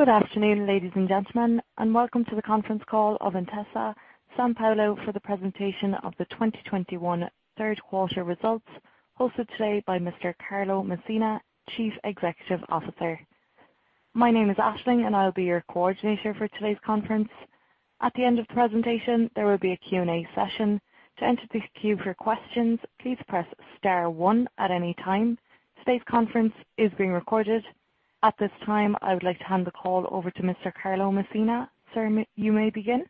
Good afternoon, ladies and gentlemen, and welcome to the conference call of Intesa Sanpaolo for the presentation of the 2021 Q3 results, hosted today by Mr. Carlo Messina, Chief Executive Officer. My name is Aisling, and I'll be your coordinator for today's conference. At the end of the presentation, there will be a Q&A session. To enter the queue for questions, please press star one at any time. Today's conference is being recorded. At this time, I would like to hand the call over to Mr. Carlo Messina. Sir, you may begin.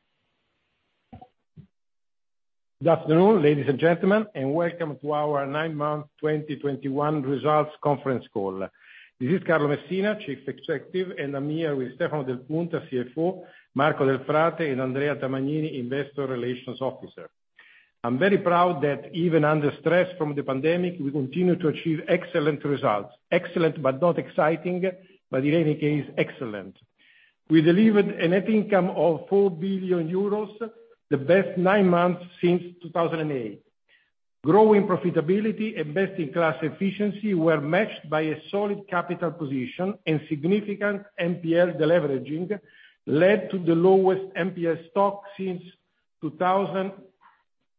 Good afternoon, ladies and gentlemen, and welcome to our 9-month 2021 results conference call. This is Carlo Messina, Chief Executive, and I'm here with Stefano Del Punta, CFO, Marco Delfrate, and Andrea Tamagnini, Investor Relations Officer. I'm very proud that even under stress from the pandemic, we continue to achieve excellent results. Excellent, but not exciting, but in any case, excellent. We delivered a net income of 4 billion euros, the best 9-months since 2008. Growing profitability and best-in-class efficiency were matched by a solid capital position and significant NPL deleveraging, led to the lowest NPL stock since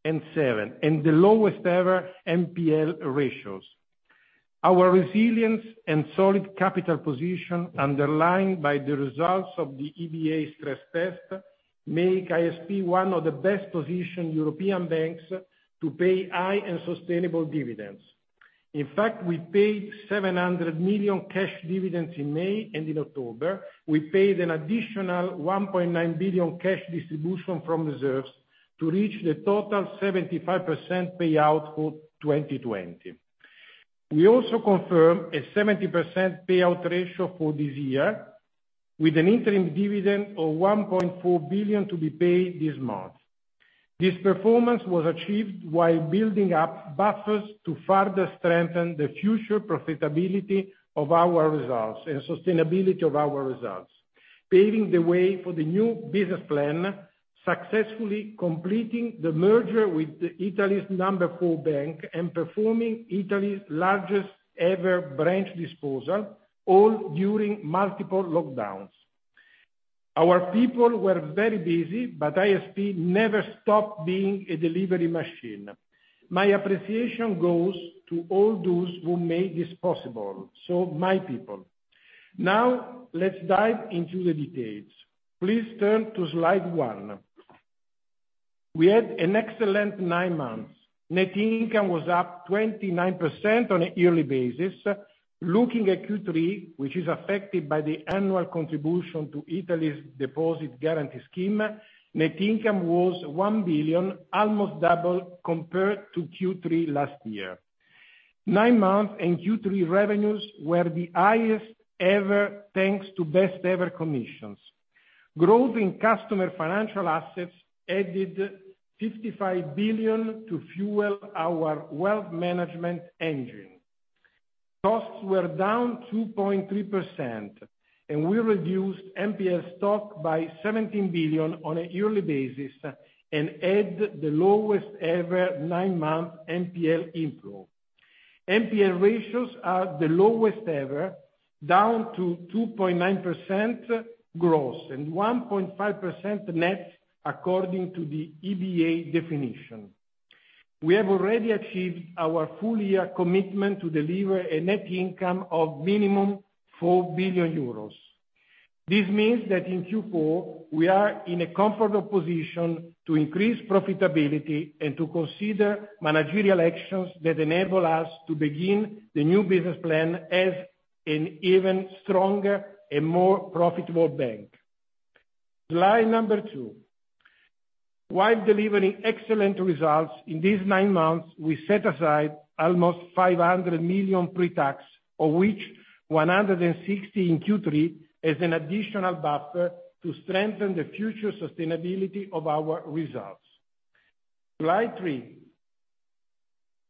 2007, and the lowest-ever NPL ratios. Our resilience and solid capital position, underlined by the results of the EBA stress test, make ISP one of the best-positioned European banks to pay high and sustainable dividends. In fact, we paid 700 million cash dividends in May and in October. We paid an additional 1.9 billion cash distribution from reserves to reach the total 75% payout for 2020. We also confirm a 70% payout ratio for this year, with an interim dividend of 1.4 billion to be paid this month. This performance was achieved while building up buffers to further strengthen the future profitability of our results and sustainability of our results, paving the way for the new business plan, successfully completing the merger with Italy's number 4 bank, and performing Italy's largest-ever branch disposal, all during multiple lockdowns. Our people were very busy, but ISP never stopped being a delivery machine. My appreciation goes to all those who made this possible, so my people. Now, let's dive into the details. Please turn to slide 1. We had an excellent 9-months. Net income was up 29% on a yearly basis. Looking at Q3, which is affected by the annual contribution to Italy's deposit guarantee scheme, net income was 1 billion, almost double compared to Q3 last year. 9-months and Q3 revenues were the highest ever, thanks to best-ever commissions. Growth in customer financial assets added 55 billion to fuel our wealth management engine. Costs were down 2.3%, and we reduced NPL stock by 17 billion on a yearly basis and had the lowest-ever 9-month NPL inflow. NPL ratios are the lowest ever, down to 2.9% gross and 1.5% net according to the EBA definition. We have already achieved our full-year commitment to deliver a net income of minimum 4 billion euros. This means that in Q4, we are in a comfortable position to increase profitability and to consider managerial actions that enable us to begin the new business plan as an even stronger and more profitable bank. Slide 2. While delivering excellent results in these nine months, we set aside almost 500 million pre-tax, of which 160 million in Q3, as an additional buffer to strengthen the future sustainability of our results. Slide 3.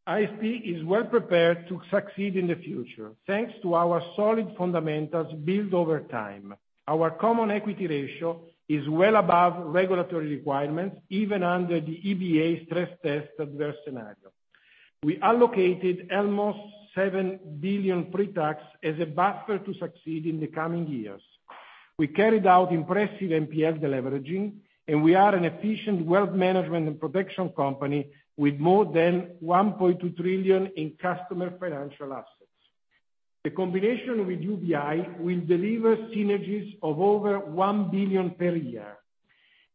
ISP is well prepared to succeed in the future, thanks to our solid fundamentals built over time. Our common equity ratio is well above regulatory requirements, even under the EBA stress test adverse scenario. We allocated almost 7 billion pre-tax as a buffer to succeed in the coming years. We carried out impressive NPL deleveraging, and we are an efficient wealth management and protection company with more than 1.2 trillion in customer financial assets. The combination with UBI will deliver synergies of over 1 billion per year.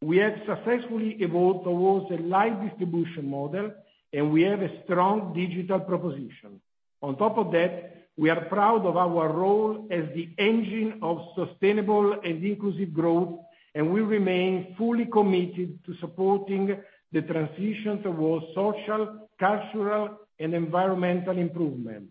We have successfully evolved towards a light distribution model, and we have a strong digital proposition. On top of that, we are proud of our role as the engine of sustainable and inclusive growth, and we remain fully committed to supporting the transition towards social, cultural, and environmental improvement.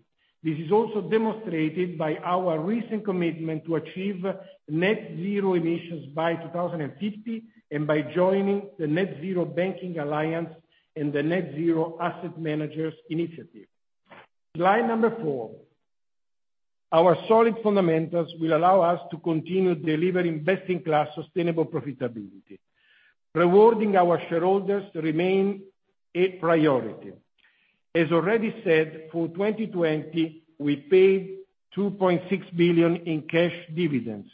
This is also demonstrated by our recent commitment to achieve net zero emissions by 2050, and by joining the Net-Zero Banking Alliance and the Net Zero Asset Managers initiative. Slide 4. Our solid fundamentals will allow us to continue delivering best-in-class sustainable profitability. Rewarding our shareholders remain a priority. As already said, for 2020, we paid 2.6 billion in cash dividends,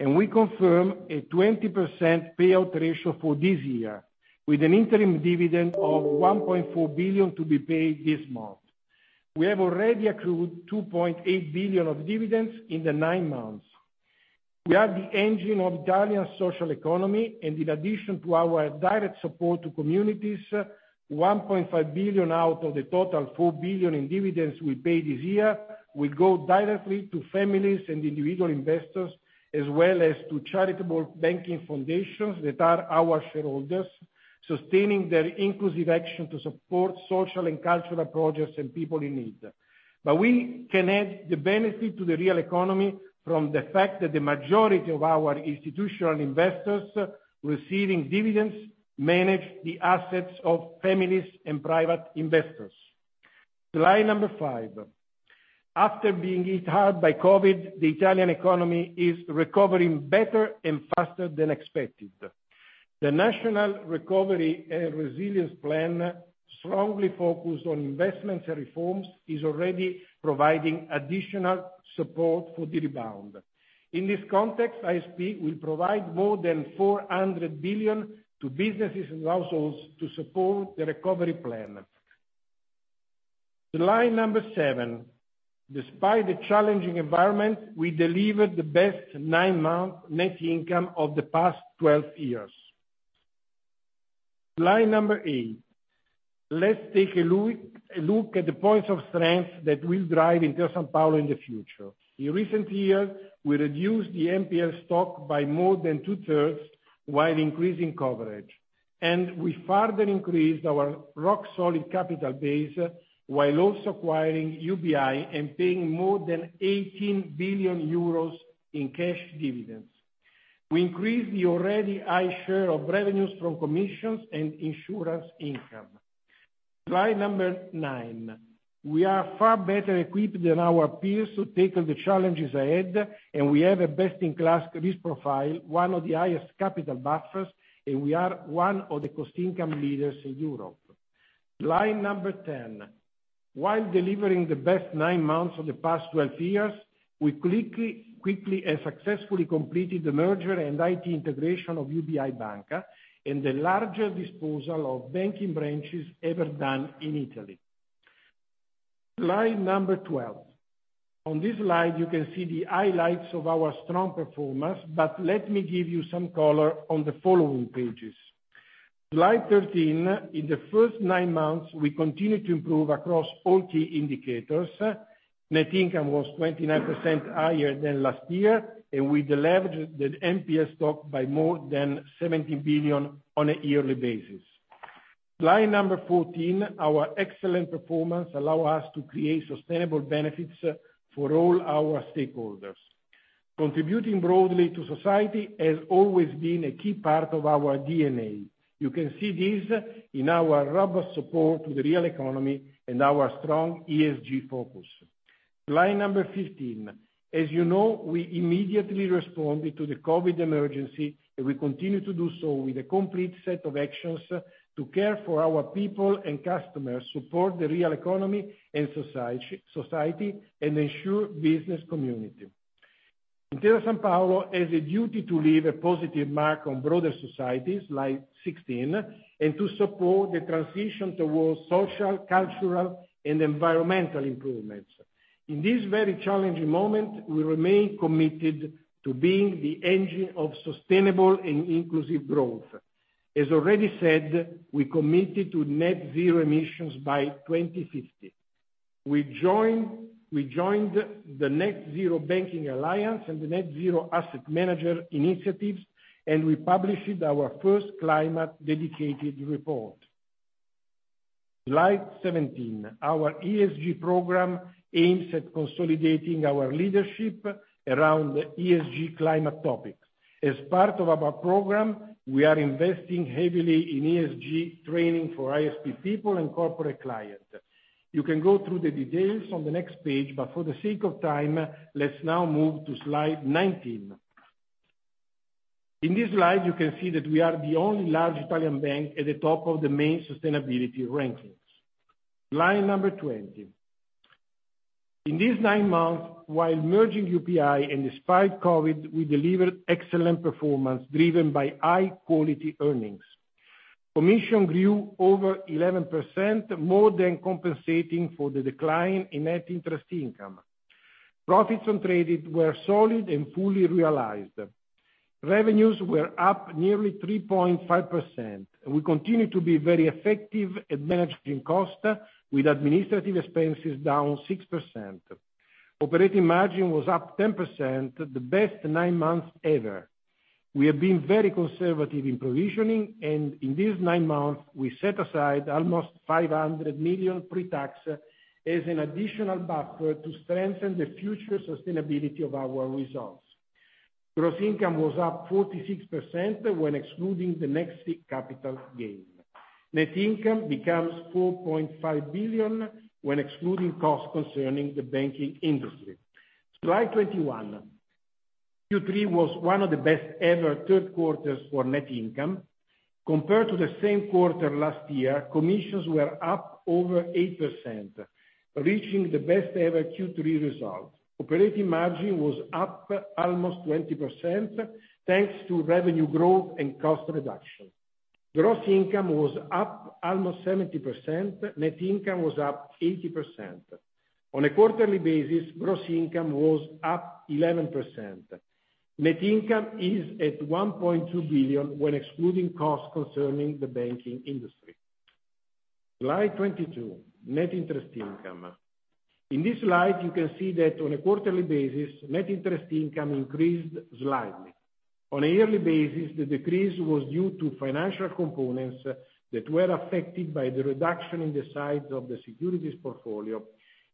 and we confirm a 20% payout ratio for this year, with an interim dividend of 1.4 billion to be paid this month. We have already accrued 2.8 billion of dividends in the nine months. We are the engine of Italian social economy, and in addition to our direct support to communities, 1.5 billion out of the total 4 billion in dividends we paid this year will go directly to families and individual investors, as well as to charitable banking foundations that are our shareholders, sustaining their inclusive action to support social and cultural projects and people in need. We can add the benefit to the real economy from the fact that the majority of our institutional investors receiving dividends manage the assets of families and private investors. Slide number 5. After being hit hard by COVID, the Italian economy is recovering better and faster than expected. The National Recovery and Resilience Plan, strongly focused on investments and reforms, is already providing additional support for the rebound. In this context, ISP will provide more than 400 billion to businesses and households to support the recovery plan. Slide number 7. Despite the challenging environment, we delivered the best 9-month net income of the past 12 years. Slide number 8. Let's take a look at the points of strength that will drive Intesa Sanpaolo in the future. In recent years, we reduced the NPL stock by more than two-thirds while increasing coverage. We further increased our rock-solid capital base while also acquiring UBI and paying more than 18 billion euros in cash dividends. We increased the already high share of revenues from commissions and insurance income. Slide number 9. We are far better equipped than our peers to tackle the challenges ahead, and we have a best-in-class risk profile, one of the highest capital buffers, and we are one of the cost-income leaders in Europe. Slide number 10. While delivering the best 9 months of the past 12 years, we quickly and successfully completed the merger and IT integration of UBI Banca and the largest disposal of banking branches ever done in Italy. Slide number 12. On this slide, you can see the highlights of our strong performance, but let me give you some color on the following pages. Slide 13, in the first 9-months, we continued to improve across all key indicators. Net income was 29% higher than last year, and we deleveraged the NPL stock by more than 17 billion on a yearly basis. Slide number 14, our excellent performance allow us to create sustainable benefits for all our stakeholders. Contributing broadly to society has always been a key part of our DNA. You can see this in our robust support to the real economy and our strong ESG focus. Slide number 15. As you know, we immediately responded to the COVID emergency, and we continue to do so with a complete set of actions to care for our people and customers, support the real economy and society, and ensure business continuity. Intesa Sanpaolo has a duty to leave a positive mark on broader societies, slide 16, and to support the transition towards social, cultural, and environmental improvements. In this very challenging moment, we remain committed to being the engine of sustainable and inclusive growth. As already said, we committed to net zero emissions by 2050. We joined the Net-Zero Banking Alliance and the Net-Zero Asset Managers initiative, and we published our first climate dedicated report. Slide 17. Our ESG program aims at consolidating our leadership around ESG climate topics. As part of our program, we are investing heavily in ESG training for ISP people and corporate clients. You can go through the details on the next page, but for the sake of time, let's now move to slide 19. In this slide, you can see that we are the only large Italian bank at the top of the main sustainability rankings. Slide number 20. In this nine months, while merging UBI and despite COVID, we delivered excellent performance driven by high-quality earnings. Commission grew over 11%, more than compensating for the decline in net interest income. Profits on credit were solid and fully realized. Revenues were up nearly 3.5%. We continue to be very effective at managing cost, with administrative expenses down 6%. Operating margin was up 10%, the best nine months ever. We have been very conservative in provisioning, and in this nine months, we set aside almost 500 million pre-tax as an additional buffer to strengthen the future sustainability of our results. Gross income was up 46% when excluding the Nexi capital gain. Net income becomes 4.5 billion when excluding costs concerning the banking industry. Slide 21. Q3 was one of the best ever Q3s for net income. Compared to the same quarter last year, commissions were up over 8%, reaching the best ever Q3 result. Operating margin was up almost 20% thanks to revenue growth and cost reduction. Gross income was up almost 70%, net income was up 80%. On a quarterly basis, gross income was up 11%. Net income is at 1.2 billion when excluding costs concerning the banking industry. Slide 22, net interest income. In this slide, you can see that on a quarterly basis, net interest income increased slightly. On a yearly basis, the decrease was due to financial components that were affected by the reduction in the size of the securities portfolio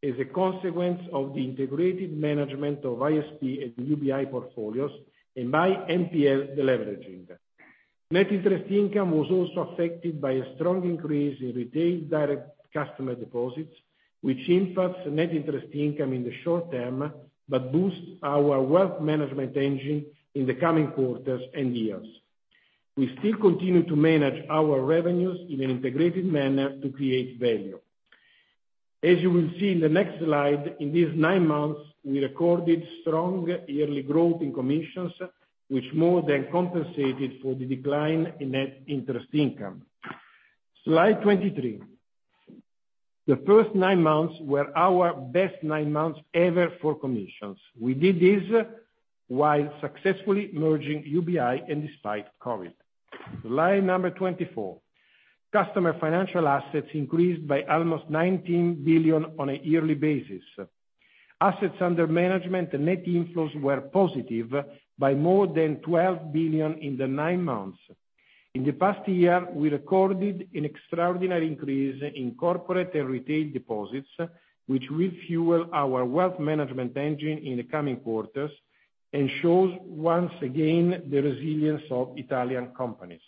as a consequence of the integrated management of ISP and UBI portfolios and by NPL deleveraging. Net interest income was also affected by a strong increase in retail direct customer deposits, which impacts net interest income in the short term, but boosts our wealth management engine in the coming quarters and years. We still continue to manage our revenues in an integrated manner to create value. As you will see in the next slide, in these nine months, we recorded strong yearly growth in commissions, which more than compensated for the decline in net interest income. Slide 23. The first nine months were our best nine months ever for commissions. We did this while successfully merging UBI and despite COVID. Slide number 24. Customer financial assets increased by almost 19 billion on a yearly basis. Assets under management and net inflows were positive by more than 12 billion in the nine months. In the past year, we recorded an extraordinary increase in corporate and retail deposits, which will fuel our wealth management engine in the coming quarters and shows once again the resilience of Italian companies.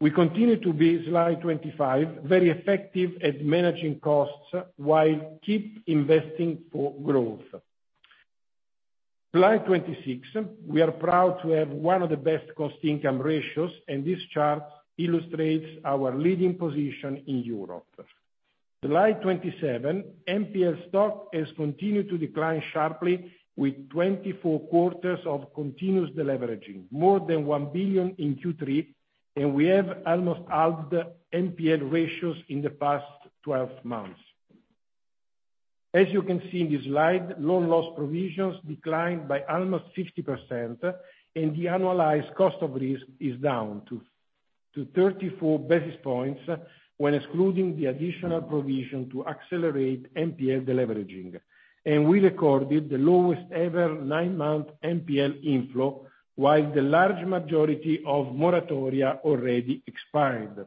We continue to be, slide 25, very effective at managing costs while keep investing for growth. Slide 26, we are proud to have one of the best cost-income ratios, and this chart illustrates our leading position in Europe. Slide 27, NPL stock has continued to decline sharply with 24 quarters of continuous deleveraging, more than 1 billion in Q3, and we have almost halved NPL ratios in the past 12 months. As you can see in this slide, loan loss provisions declined by almost 60%, and the annualized cost of risk is down to 34 basis points when excluding the additional provision to accelerate NPL deleveraging. We recorded the lowest ever 9-month NPL inflow, while the large majority of moratoria already expired.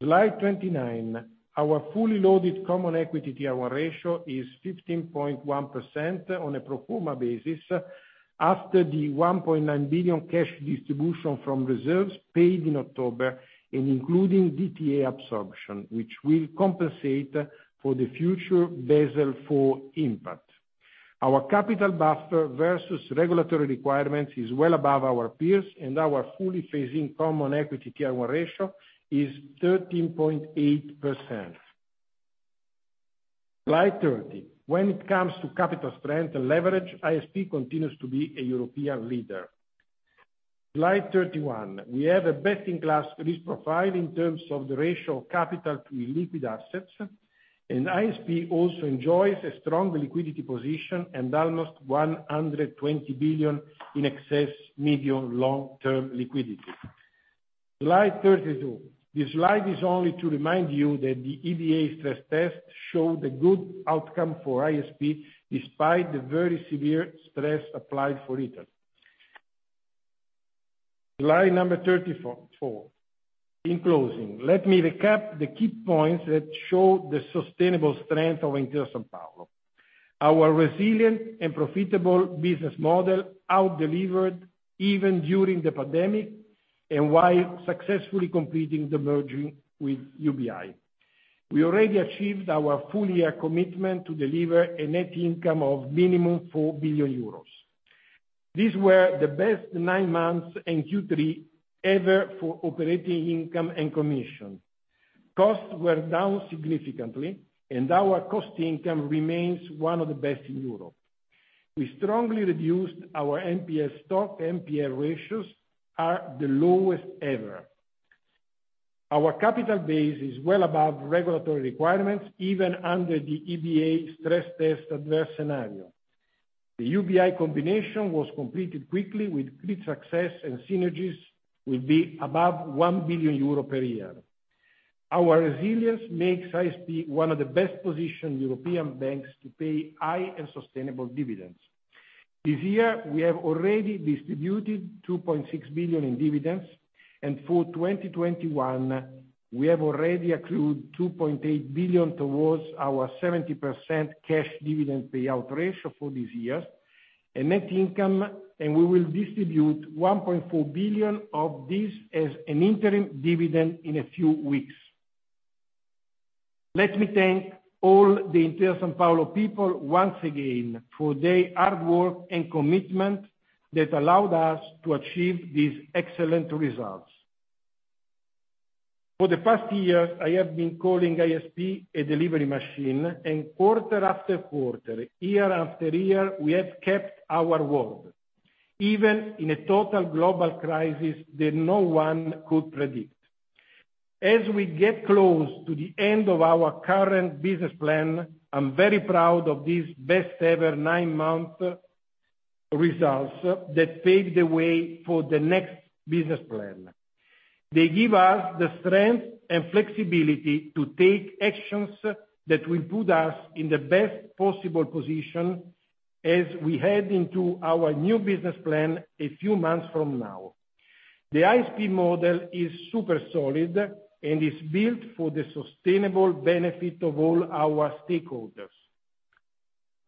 Slide 29, our fully loaded Common Equity Tier 1 ratio is 15.1% on a pro forma basis after the 1.9 billion cash distribution from reserves paid in October, and including DTA absorption, which will compensate for the future Basel IV impact. Our capital buffer versus regulatory requirements is well above our peers, and our fully phased Common Equity Tier 1 ratio is 13.8%. Slide 30. When it comes to capital strength and leverage, ISP continues to be a European leader. Slide 31, we have a best-in-class risk profile in terms of the ratio of capital to liquid assets, and ISP also enjoys a strong liquidity position and almost 120 billion in excess medium long-term liquidity. Slide 32. This slide is only to remind you that the EBA stress test showed a good outcome for ISP despite the very severe stress applied for Italy. Slide number 34. In closing, let me recap the key points that show the sustainable strength of Intesa Sanpaolo. Our resilient and profitable business model out-delivered even during the pandemic and while successfully completing the merging with UBI. We already achieved our full-year commitment to deliver a net income of minimum 4 billion euros. These were the best nine months in Q3 ever for operating income and commission. Costs were down significantly, and our cost-income remains one of the best in Europe. We strongly reduced our NPL stock. NPL ratios are the lowest ever. Our capital base is well above regulatory requirements, even under the EBA stress test adverse scenario. The UBI combination was completed quickly with great success, and synergies will be above 1 billion euro per year. Our resilience makes ISP one of the best positioned European banks to pay high and sustainable dividends. This year, we have already distributed 2.6 billion in dividends, and for 2021, we have already accrued 2.8 billion towards our 70% cash dividend payout ratio for this year and net income, and we will distribute 1.4 billion of this as an interim dividend in a few weeks. Let me thank all the Intesa Sanpaolo people once again for their hard work and commitment that allowed us to achieve these excellent results. For the past years, I have been calling ISP a delivery machine, and quarter after quarter, year after year, we have kept our word, even in a total global crisis that no one could predict. As we get close to the end of our current business plan, I'm very proud of this best ever nine-month results that paved the way for the next business plan. They give us the strength and flexibility to take actions that will put us in the best possible position as we head into our new business plan a few months from now. The ISP model is super solid and is built for the sustainable benefit of all our stakeholders.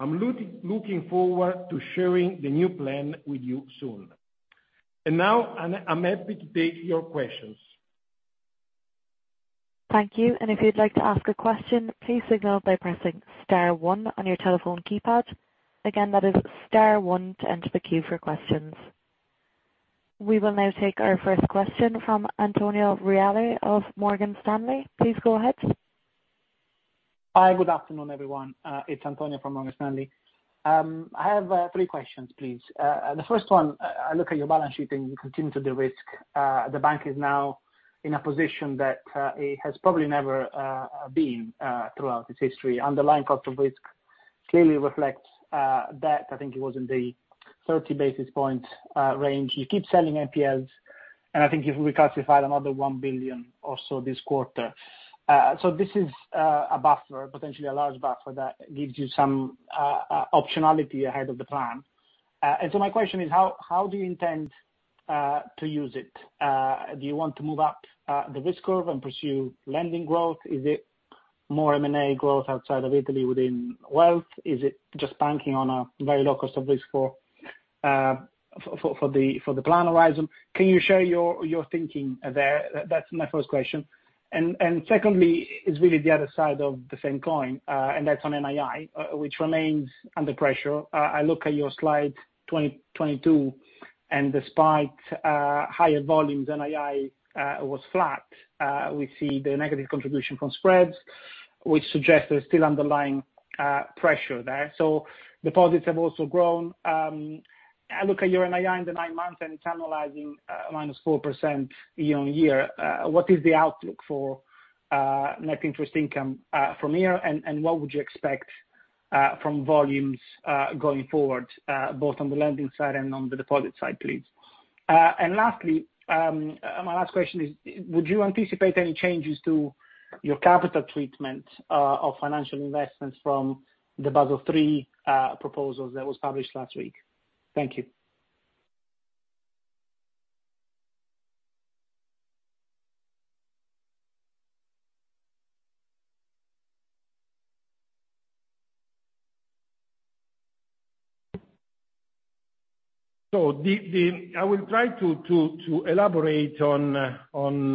I'm looking forward to sharing the new plan with you soon. Now, I'm happy to take your questions. Thank you. If you'd like to ask a question, please signal by pressing star one on your telephone keypad. Again, that is star one to enter the queue for questions. We will now take our first question from Antonio Reale of Morgan Stanley. Please go ahead. Hi. Good afternoon, everyone. It's Antonio from Morgan Stanley. I have three questions, please. The first one, I look at your balance sheet and you continue to de-risk. The bank is now in a position that it has probably never been throughout its history. Underlying cost of risk clearly reflects that. I think it was in the 30 basis point range. You keep selling NPLs, and I think you reclassified another 1 billion or so this quarter. So, this is a buffer, potentially a large buffer that gives you some optionality ahead of the plan. My question is how do you intend to use it? Do you want to move up the risk curve and pursue lending growth? Is it more M&A growth outside of Italy within wealth? Is it just banking on a very low cost of risk for the plan horizon? Can you share your thinking there? That's my first question. Secondly is really the other side of the same coin, and that's on NII, which remains under pressure. I look at your slide 22, and despite higher volumes, NII was flat. We see the negative contribution from spreads, which suggests there's still underlying pressure there. Deposits have also grown. I look at your NII in the nine months, and it's down 4% year-on-year. What is the outlook for net interest income from here, and what would you expect from volumes going forward, both on the lending side and on the deposit side, please? Lastly, my last question is, would you anticipate any changes to your capital treatment of financial investments from the Basel III proposals that was published last week? Thank you. I will try to elaborate on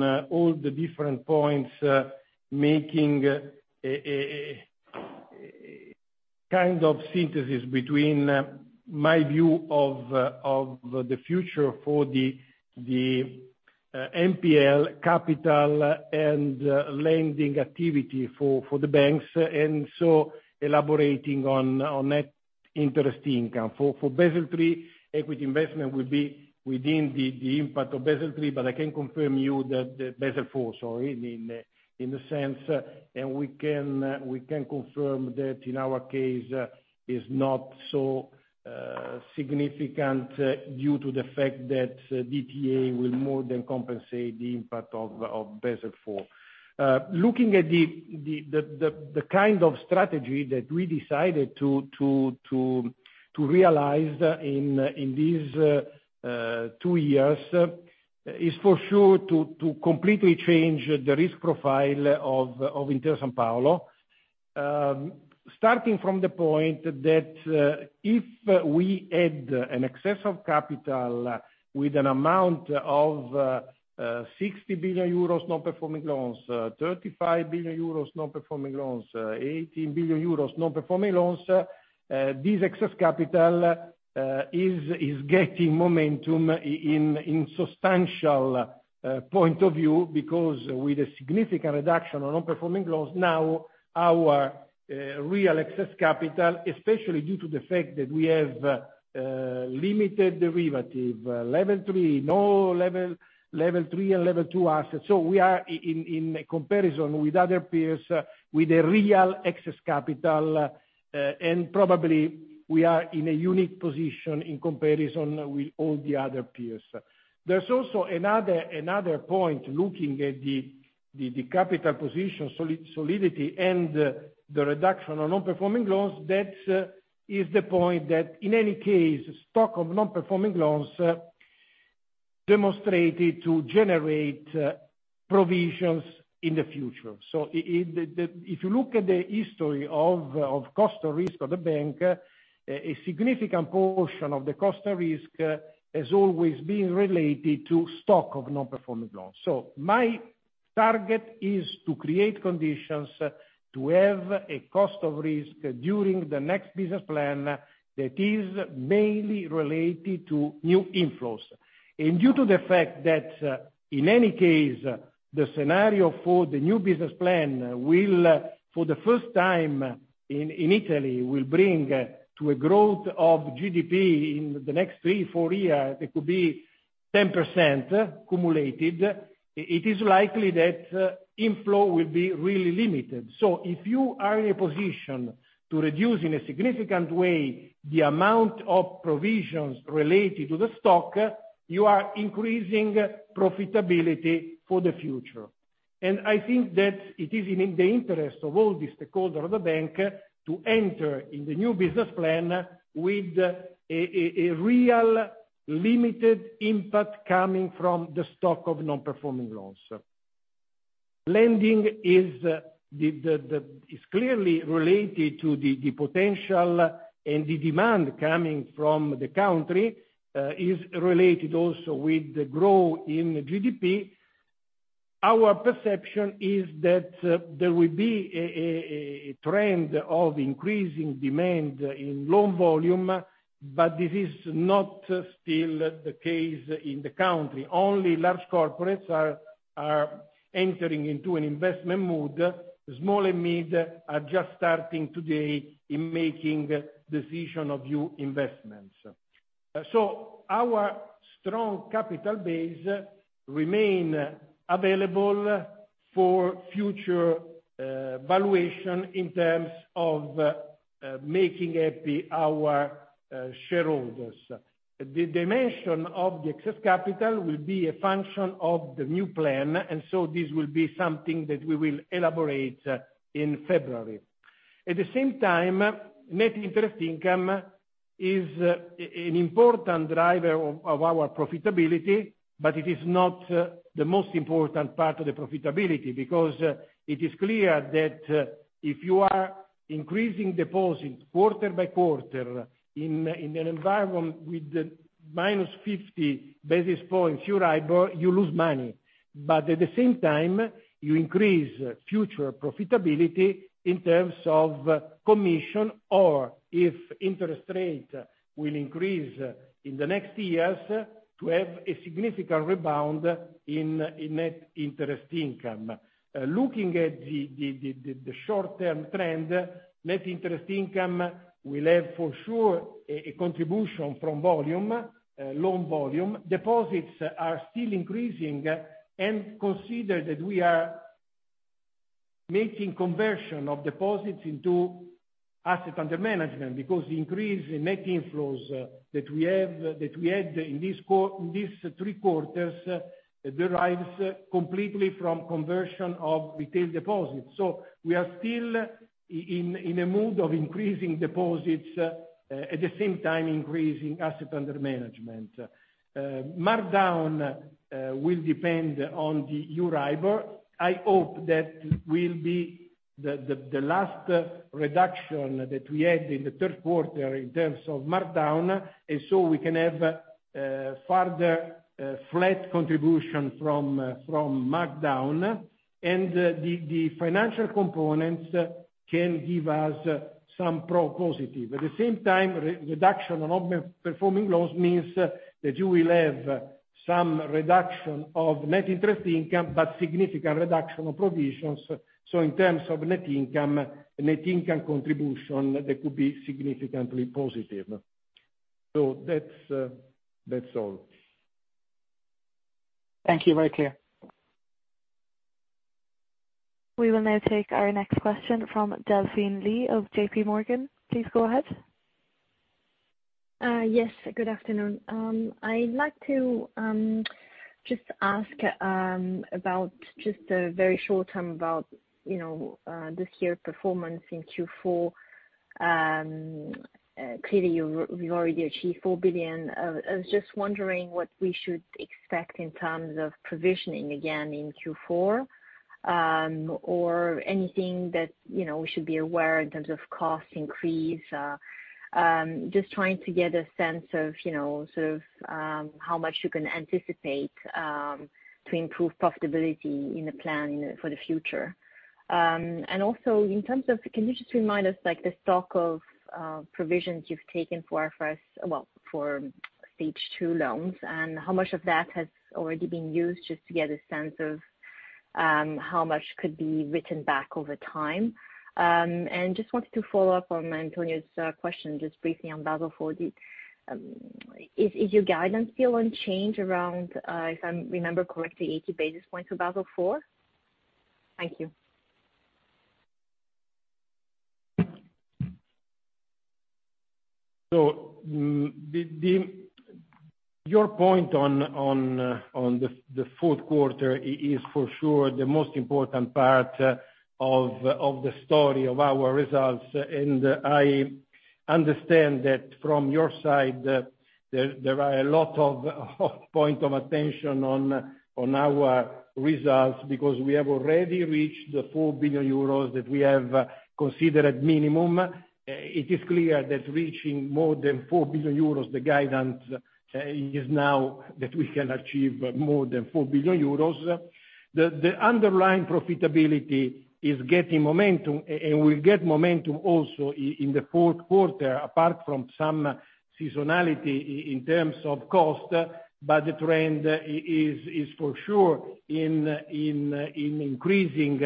all the different points, making a kind of synthesis between my view of the future for the NPL capital and lending activity for the banks, and so elaborating on net interest income. For Basel III, equity investment will be within the impact of Basel III, but I can confirm you that the Basel IV, sorry, in the sense, and we can confirm that in our case is not so significant due to the fact that DTA will more than compensate the impact of Basel IV. Looking at the kind of strategy that we decided to realize in these two years is for sure to completely change the risk profile of Intesa Sanpaolo. Starting from the point that if we add an excess of capital with an amount of 60 billion euros non-performing loans, 35 billion euros non-performing loans, 18 billion euros non-performing loans, this excess capital is getting momentum in substantial point of view, because with a significant reduction on non-performing loans, now our real excess capital, especially due to the fact that we have limited derivative level three, no level three and level two assets. We are in comparison with other peers with a real excess capital, and probably we are in a unique position in comparison with all the other peers. There's also another point looking at the capital position solidity and the reduction of non-performing loans. That is the point that in any case, stock of non-performing loans demonstrated to generate provisions in the future. If you look at the history of cost of risk of the bank, a significant portion of the cost of risk has always been related to stock of non-performing loans. My target is to create conditions to have a cost of risk during the next business plan that is mainly related to new inflows. Due to the fact that, in any case, the scenario for the new business plan will, for the first time in Italy, bring to a growth of GDP in the next three, four years, it could be 10% cumulated, it is likely that inflow will be really limited. If you are in a position to reduce in a significant way the amount of provisions related to the stock, you are increasing profitability for the future. I think that it is in the interest of all the stakeholder of the bank to enter in the new business plan with a real limited impact coming from the stock of non-performing loans. Lending is clearly related to the potential and the demand coming from the country, is related also with the growth in GDP. Our perception is that there will be a trend of increasing demand in loan volume, but it is not still the case in the country. Only large corporates are entering into an investment mood. Small and mid are just starting today in making decision of new investments. Our strong capital base remain available for future valuation in terms of making happy our shareholders. The dimension of the excess capital will be a function of the new plan, and so this will be something that we will elaborate in February. At the same time, net interest income is an important driver of our profitability, but it is not the most important part of the profitability, because it is clear that if you are increasing deposits quarter by quarter in an environment with minus 50 basis points Euribor, you lose money. At the same time, you increase future profitability in terms of commission, or if interest rate will increase in the next years to have a significant rebound in net interest income. Looking at the short-term trend, net interest income will have for sure a contribution from volume, loan volume. Deposits are still increasing, and consider that we are making conversion of deposits into assets under management, because the increase in net inflows that we had in these three quarters derives completely from conversion of retail deposits. We are still in a mood of increasing deposits, at the same time increasing asset under management. Markdown will depend on the Euribor. I hope that will be the last reduction that we had in the Q3 in terms of markdown, and we can have further flat contribution from markdown. The financial components can give us some positive. At the same time, reduction of non-performing loans means that you will have some reduction of net interest income, but significant reduction of provisions. In terms of net income, net income contribution, that could be significantly positive. That's all. Thank you. Very clear. We will now take our next question from Delphine Lee of J.P. Morgan. Please go ahead. Yes. Good afternoon. I'd like to just ask about a very short term about, you know, this year's performance in Q4. Clearly, you've already achieved 4 billion. I was just wondering what we should expect in terms of provisioning again in Q4, or anything that, you know, we should be aware in terms of cost increase. Just trying to get a sense of, you know, sort of, how much you can anticipate to improve profitability in the plan for the future. Also in terms of, can you just remind us, like the stock of provisions you've taken for Stage 2 loans, and how much of that has already been used, just to get a sense of how much could be written back over time. Just wanted to follow up on Antonio's question, just briefly on Basel IV. Is your guidance still unchanged around, if I remember correctly, 80 basis points for Basel IV? Thank you. Your point on the Q4 is for sure the most important part of the story of our results. I understand that from your side, there are a lot of points of attention on our results, because we have already reached the 4 billion euros that we have considered minimum. It is clear that reaching more than 4 billion euros, the guidance is now that we can achieve more than 4 billion euros. The underlying profitability is getting momentum, and will get momentum also in the Q4, apart from some seasonality in terms of cost, but the trend is for sure in increasing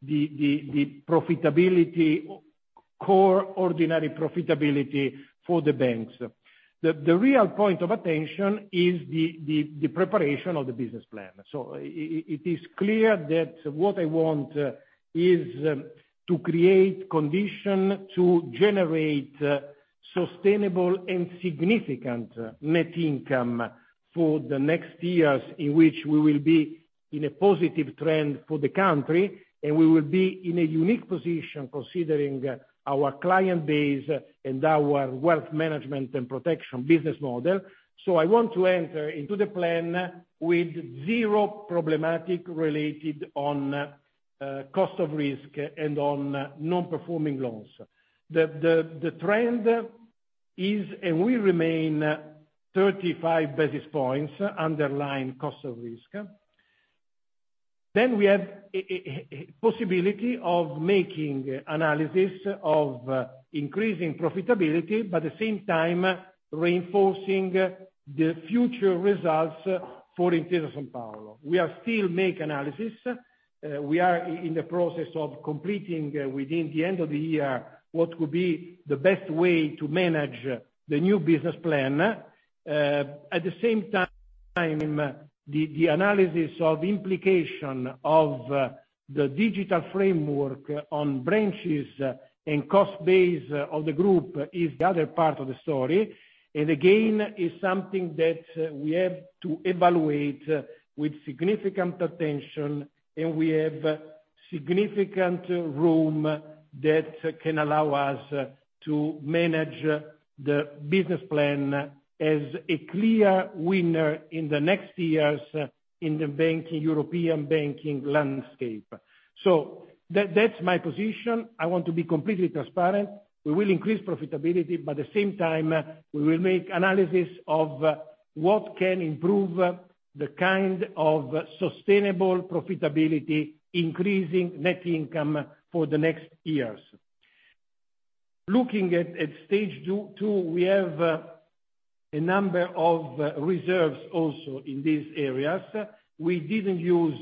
the profitability, core ordinary profitability for the banks. The real point of attention is the preparation of the business plan. It is clear that what I want is to create conditions to generate sustainable and significant net income for the next years in which we will be in a positive trend for the country, and we will be in a unique position considering our client base and our wealth management and protection business model. I want to enter into the plan with zero problems related to cost of risk and on non-performing loans. The trend is, and will remain 35 basis points underlying cost of risk. Then we have a possibility of making analysis of increasing profitability, but at the same time reinforcing the future results for Intesa Sanpaolo. We are still make analysis. We are in the process of completing within the end of the year what could be the best way to manage the new business plan. At the same time, the analysis of implication of the digital framework on branches and cost base of the group is the other part of the story. Again, is something that we have to evaluate with significant attention, and we have significant room that can allow us to manage the business plan as a clear winner in the next years in the banking, European banking landscape. That, that's my position. I want to be completely transparent. We will increase profitability, but at the same time, we will make analysis of what can improve the kind of sustainable profitability, increasing net income for the next years. Looking at Stage 2, we have a number of reserves also in these areas. We didn't use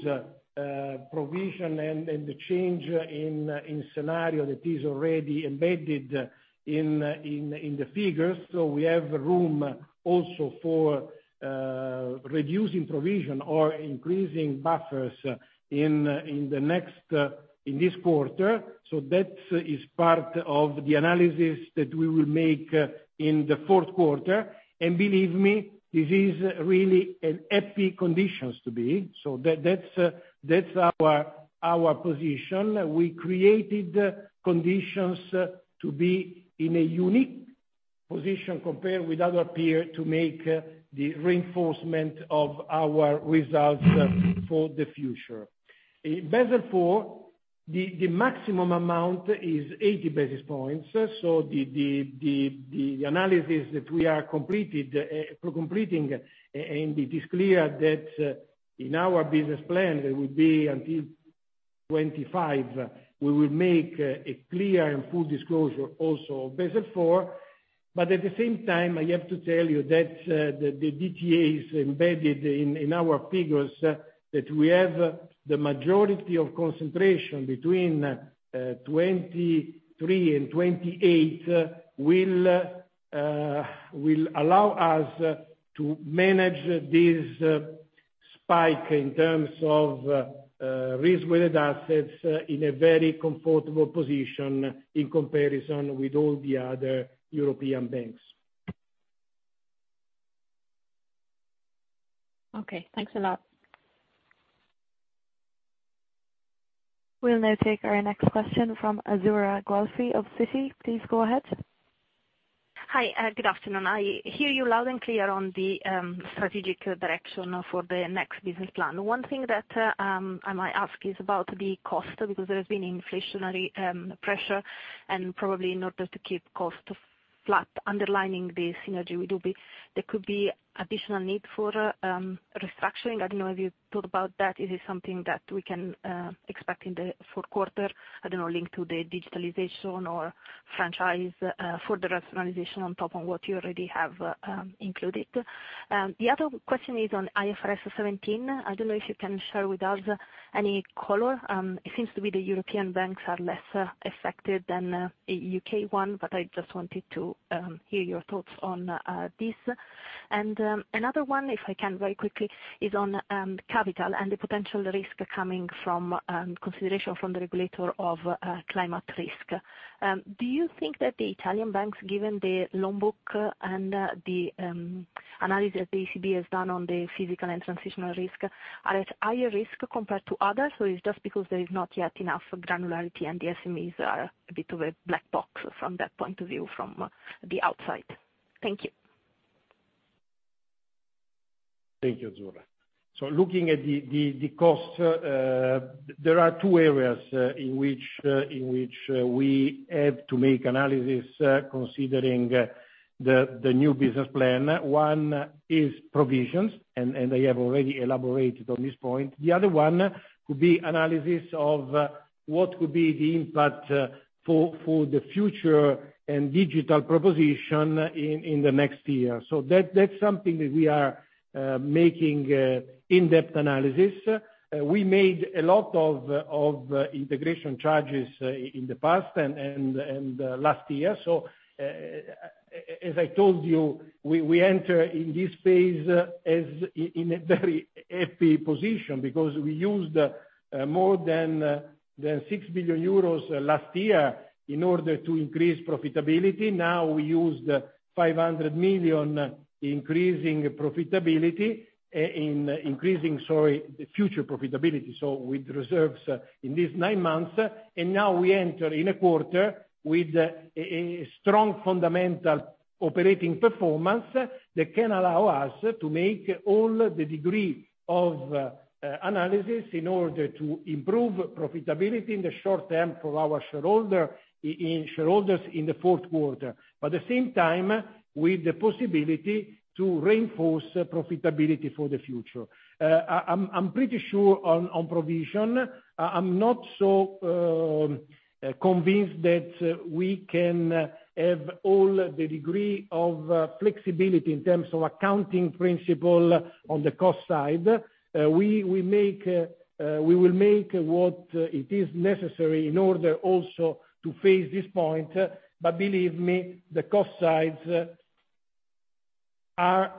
provision and the change in scenario that is already embedded in the figures. We have room also for reducing provision or increasing buffers in this quarter. That is part of the analysis that we will make in the Q4. Believe me, this is really a happy conditions to be. That is our position. We created conditions to be in a unique position compared with other peer to make the reinforcement of our results for the future. In Basel IV, the maximum amount is 80 basis points, so the analysis that we are completing, and it is clear that in our business plan it will be until 2025, we will make a clear and full disclosure also of Basel IV. At the same time, I have to tell you that the DTAs embedded in our figures that we have the majority of concentration between 23 and 28 will allow us to manage this spike in terms of risk-weighted assets in a very comfortable position in comparison with all the other European banks. Okay, thanks a lot. We'll now take our next question from Azzurra Guelfi of Citi. Please go ahead. Hi, good afternoon. I hear you loud and clear on the strategic direction for the next business plan. One thing that I might ask is about the cost, because there has been inflationary pressure, and probably in order to keep cost flat, underlining the synergy will be, there could be additional need for restructuring. I don't know if you thought about that. Is it something that we can expect in the Q4, I don't know, linked to the digitalization or franchise for the rationalization on top of what you already have included? The other question is on IFRS 17. I don't know if you can share with us any color. It seems to be the European banks are less affected than a UK one, but I just wanted to hear your thoughts on this. Another one, if I can very quickly, is on capital and the potential risk coming from consideration from the regulator of climate risk. Do you think that the Italian banks, given the loan book and the analysis the ECB has done on the physical and transitional risk are at higher risk compared to others, or it's just because there is not yet enough granularity and the SMEs are a bit of a black box from that point of view from the outside? Thank you. Thank you, Zora. Looking at the cost, there are two areas in which we have to make analysis considering the new business plan. One is provisions, and I have already elaborated on this point. The other one could be analysis of what could be the impact for the future and digital proposition in the next year. That's something that we are making an in-depth analysis. We made a lot of integration charges in the past and last year. As I told you, we enter in this phase in a very happy position because we used more than 6 billion euros last year in order to increase profitability. Now, we use 500 million increasing profitability, the future profitability, so with reserves in these nine months. Now we enter in a quarter with a strong fundamental operating performance that can allow us to make all the degree of analysis in order to improve profitability in the short term for our shareholders in the Q4. At the same time, with the possibility to reinforce profitability for the future. I'm pretty sure on provision. I'm not so convinced that we can have all the degree of flexibility in terms of accounting principle on the cost side. We will make what it is necessary in order also to face this point. Believe me, the cost sides are.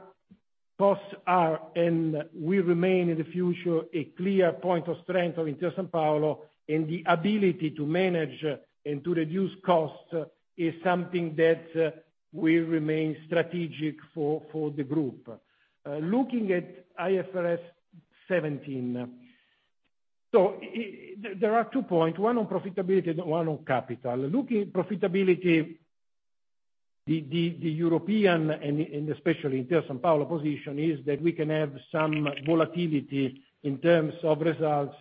Costs are, and will remain in the future, a clear point of strength of Intesa Sanpaolo, and the ability to manage and to reduce costs is something that will remain strategic for the group. Looking at IFRS 17. There are two points, one on profitability and one on capital. Looking at profitability, the European and especially Intesa Sanpaolo position is that we can have some volatility in terms of results,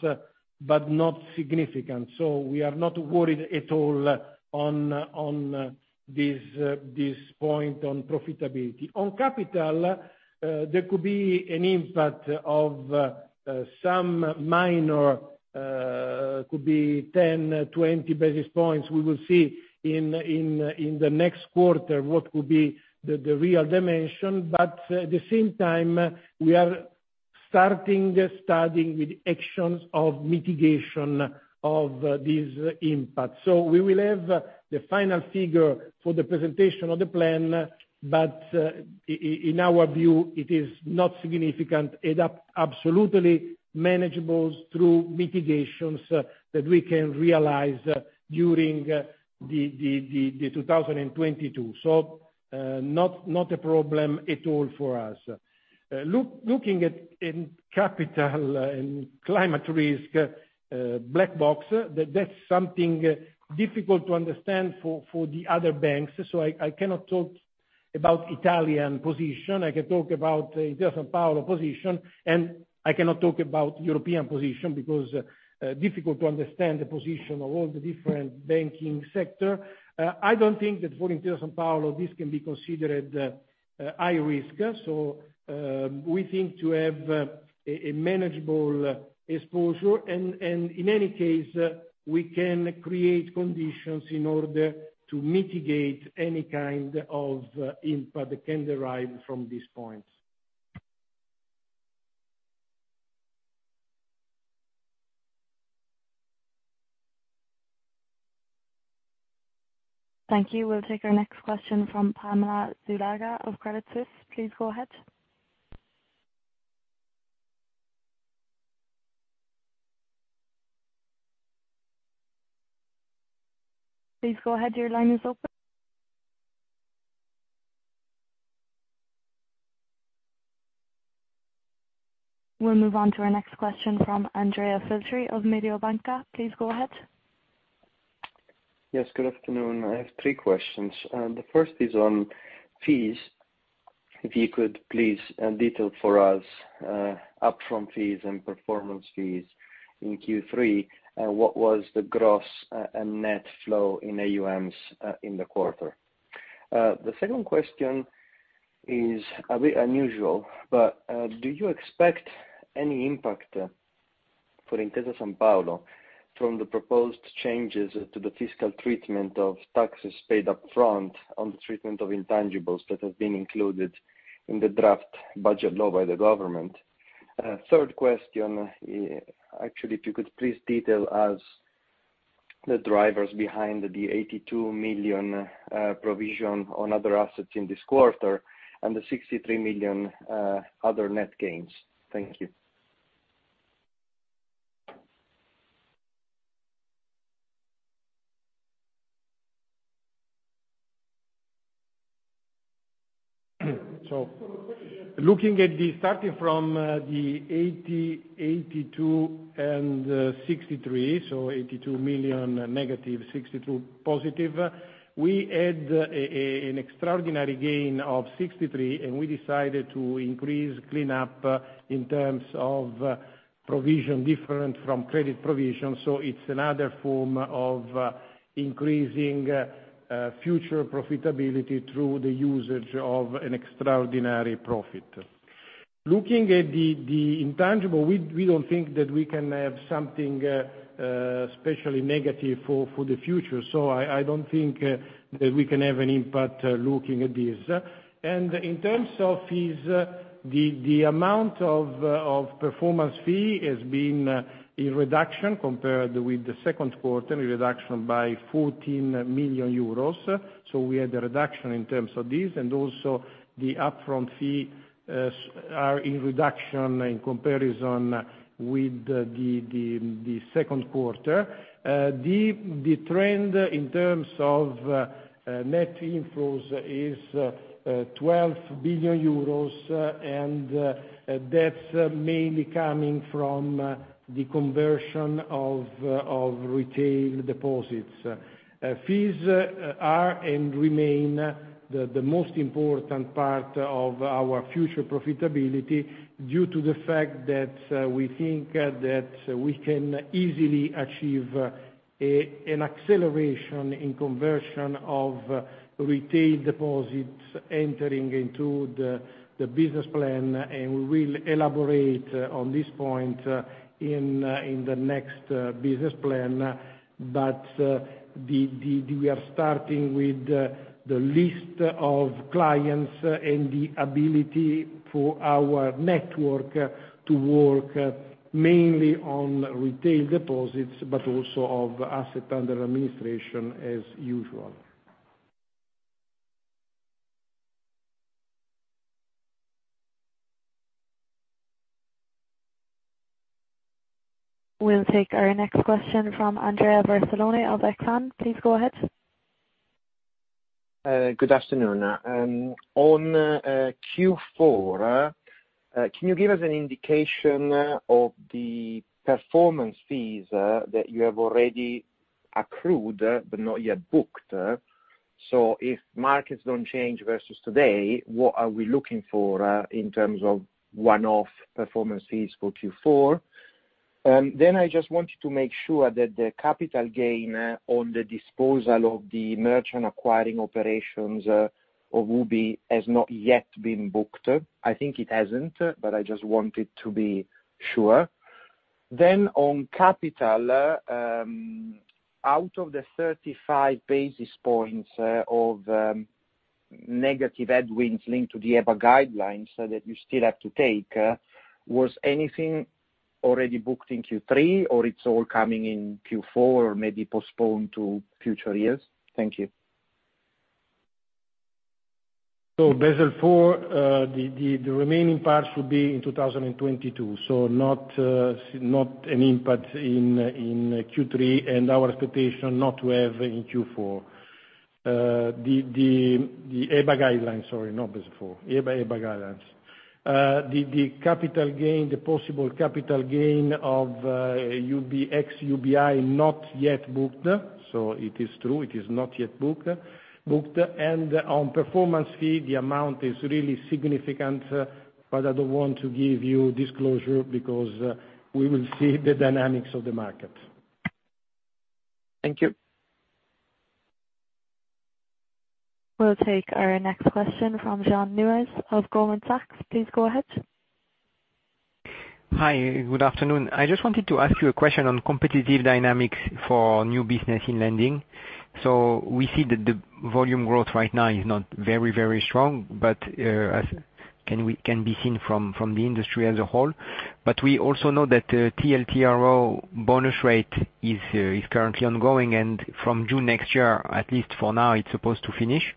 but not significant. We are not worried at all on this point on profitability. On capital, there could be an impact of some minor, could be 10 to 20 basis points. We will see in the next quarter what will be the real dimension. At the same time, we are starting with actions of mitigation of this impact. We will have the final figure for the presentation of the plan, but in our view, it is not significant and absolutely manageable through mitigations that we can realize during 2022. Not a problem at all for us. Looking at capital and climate risk black box, that's something difficult to understand for the other banks. I cannot talk about Italian position. I can talk about Intesa Sanpaolo position, and I cannot talk about European position because difficult to understand the position of all the different banking sector. I don't think that for Intesa Sanpaolo, this can be considered high risk. We think to have a manageable exposure, and in any case, we can create conditions in order to mitigate any kind of impact that can derive from these points. Thank you. We'll take our next question from Pamela Zuluaga of Credit Suisse. Please go ahead. Your line is open. We'll move on to our next question from Andrea Filtri of Mediobanca. Please go ahead. Yes, good afternoon. I have three questions. The first is on fees. If you could please detail for us, upfront fees and performance fees in Q3, what was the gross, and net flow in AUMs, in the quarter? The second question is a bit unusual, but, do you expect any impact for Intesa Sanpaolo from the proposed changes to the fiscal treatment of taxes paid up front on the treatment of intangibles that have been included in the draft budget law by the government? Third question, actually, if you could please detail as the drivers behind the 82 million provision on other assets in this quarter and the 63 million other net gains. Thank you. Looking at the 82 and 63, 82 million negative, 62 million positive, we add an extraordinary gain of 63 million, and we decided to increase cleanup in terms of provision different from credit provision. It's another form of increasing future profitability through the usage of an extraordinary profit. Looking at the intangible, we don't think that we can have something especially negative for the future. I don't think that we can have an impact looking at this. In terms of fees, the amount of performance fee has been a reduction compared with the Q2, a reduction by 14 million euros. We had a reduction in terms of this, and also the upfront fee is in reduction in comparison with the Q2. The trend in terms of net inflows is 12 billion euros. That's mainly coming from the conversion of retail deposits. Fees are and remain the most important part of our future profitability due to the fact that we think that we can easily achieve an acceleration in conversion of retail deposits entering into the business plan, and we will elaborate on this point in the next business plan. The We are starting with the list of clients and the ability for our network to work mainly on retail deposits, but also of asset under administration as usual. We'll take our next question from Ignacio Ulargui of Exane. Please go ahead. Good afternoon. On Q4, can you give us an indication of the performance fees that you have already accrued but not yet booked? If markets don't change versus today, what are we looking for in terms of one-off performance fees for Q4? I just wanted to make sure that the capital gain on the disposal of the merchant acquiring operations of UBI has not yet been booked. I think it hasn't, but I just wanted to be sure. On capital, out of the 35 basis points of negative headwinds linked to the EBA guidelines that you still have to take, was anything already booked in Q3 or it's all coming in Q4 or maybe postponed to future years? Thank you. Basel IV, the remaining parts will be in 2022. Not an impact in Q3 and our expectation not to have in Q4. The EBA guidelines, sorry, not Basel IV. The possible capital gain of ex UBI, not yet booked. It is true, it is not yet booked. On performance fee, the amount is really significant, but I don't want to give you disclosure because we will see the dynamics of the market. Thank you. We'll take our next question from Jean Neuez of Goldman Sachs. Please go ahead. Hi, good afternoon. I just wanted to ask you a question on competitive dynamics for new business in lending. We see that the volume growth right now is not very, very strong, but as can be seen from the industry as a whole. We also know that the TLTRO bonus rate is currently ongoing, and from June next year, at least for now, it's supposed to finish.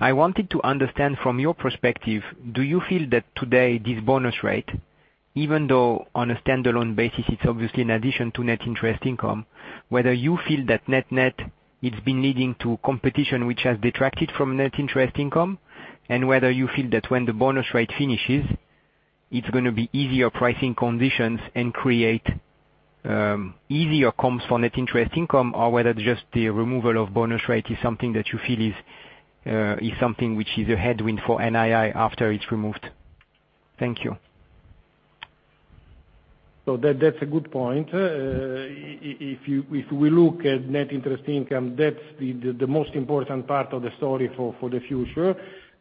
I wanted to understand from your perspective, do you feel that today this bonus rate, even though on a standalone basis it's obviously in addition to net interest income, whether you feel that net-net it's been leading to competition which has detracted from net interest income? Whether you feel that when the bonus rate finishes, it's gonna be easier pricing conditions and create easier comps for net interest income, or whether just the removal of bonus rate is something that you feel is something which is a headwind for NII after it's removed? Thank you. That's a good point. If we look at net interest income, that's the most important part of the story for the future,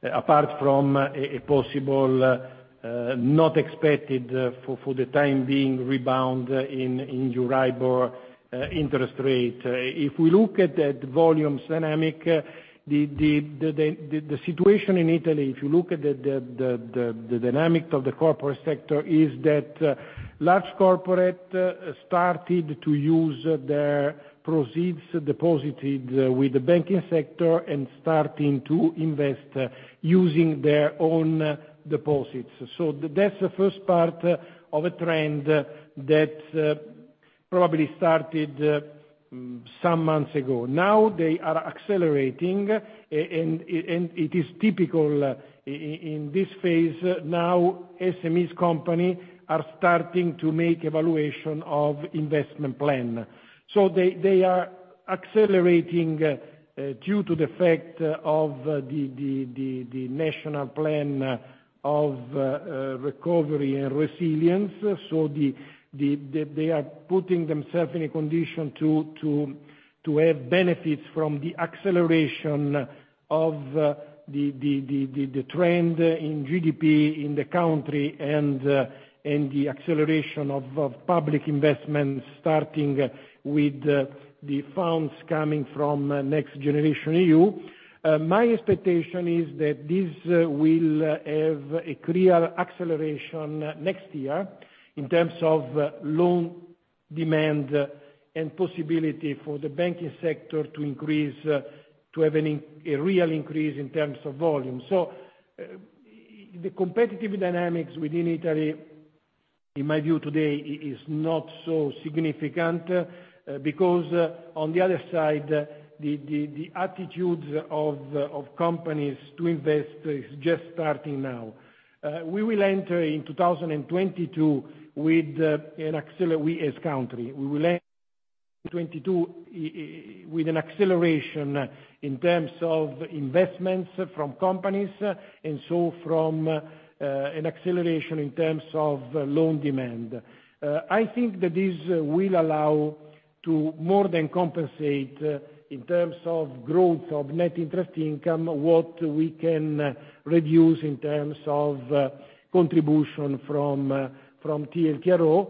apart from a possible, not expected, for the time being rebound in Euribor interest rate. If we look at the volume dynamics, the situation in Italy, if you look at the dynamics of the corporate sector, is that large corporates started to use their proceeds deposited with the banking sector and starting to invest using their own deposits. That's the first part of a trend that probably started some months ago. Now they are accelerating, and it is typical in this phase. Now SMEs companies are starting to make evaluations of investment plans. They are accelerating due to the fact of the national plan of recovery and resilience. They are putting themselves in a condition to have benefits from the acceleration of the trend in GDP in the country and the acceleration of public investment, starting with the funds coming from NextGenerationEU. My expectation is that this will have a clear acceleration next year in terms of loan demand and possibility for the banking sector to increase to have a real increase in terms of volume. The competitive dynamics within Italy, in my view today is not so significant because on the other side, the attitudes of companies to invest is just starting now. We will enter 2022 with an acceleration in terms of investments from companies and so from an acceleration in terms of loan demand. I think that this will allow to more than compensate in terms of growth of net interest income, what we can reduce in terms of contribution from TLTRO.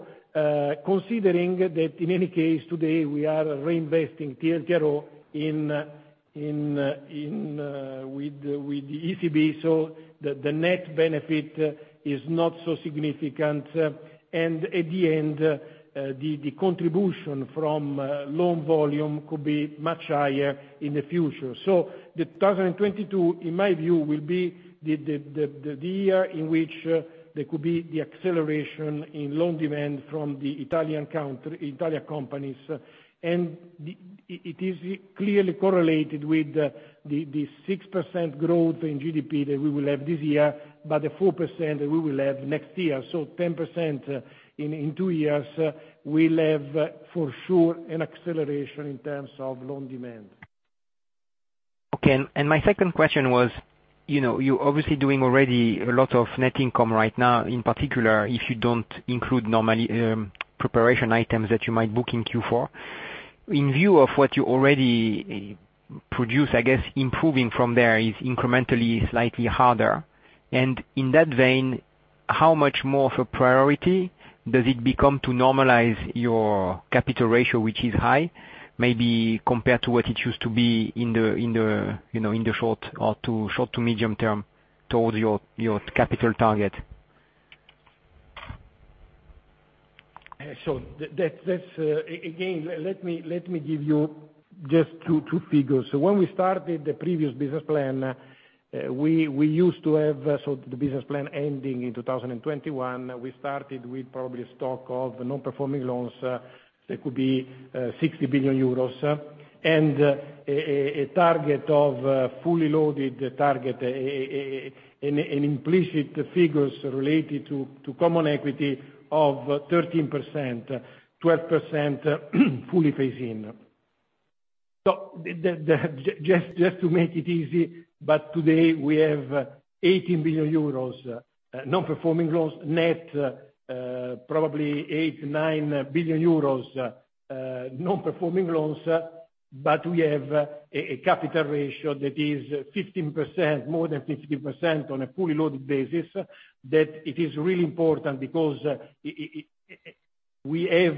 Considering that, in any case, today we are reinvesting TLTRO with ECB, so the net benefit is not so significant. At the end, the contribution from loan volume could be much higher in the future. 2022, in my view, will be the year in which there could be the acceleration in loan demand from the Italian companies. It is clearly correlated with the 6% growth in GDP that we will have this year, but the 4% we will have next year. 10% in two years, we'll have for sure an acceleration in terms of loan demand. Okay. My second question was, you know, you're obviously doing already a lot of net income right now, in particular, if you don't include normally, preparation items that you might book in Q4. In view of what you already produce, I guess improving from there is incrementally slightly harder. In that vein, how much more of a priority does it become to normalize your capital ratio, which is high, maybe compared to what it used to be in the, you know, in the short- to medium-term towards your capital target? That's again, let me give you just two figures. When we started the previous business plan, we used to have, so the business plan ending in 2021, we started with probably a stock of non-performing loans that could be 60 billion euros, and a fully loaded target, an implicit figures related to common equity of 13%, 12% fully phasing. To make it easy, but today we have 18 billion euros non-performing loans, net, probably 8 to 9 billion non-performing loans, but we have a capital ratio that is 15%, more than 15% on a fully loaded basis that it is really important because we have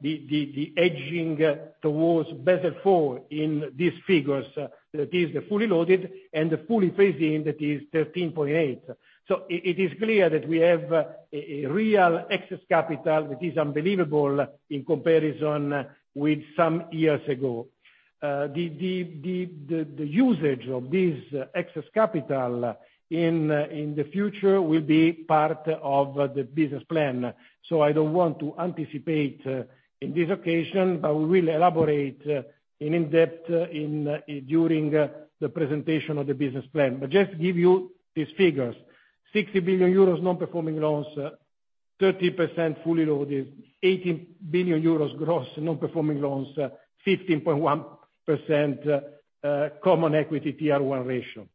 the edging towards Basel IV in these figures. That is the fully loaded and the fully phasing that is 13.8. It is clear that we have a real excess capital that is unbelievable in comparison with some years ago. The usage of this excess capital in the future will be part of the business plan. I don't want to anticipate in this occasion, but we will elaborate in depth during the presentation of the business plan. I just give you these figures, 60 billion euros non-performing loans, 13% fully loaded, 18 billion euros gross non-performing loans, 15.1%, common equity CET1 ratio.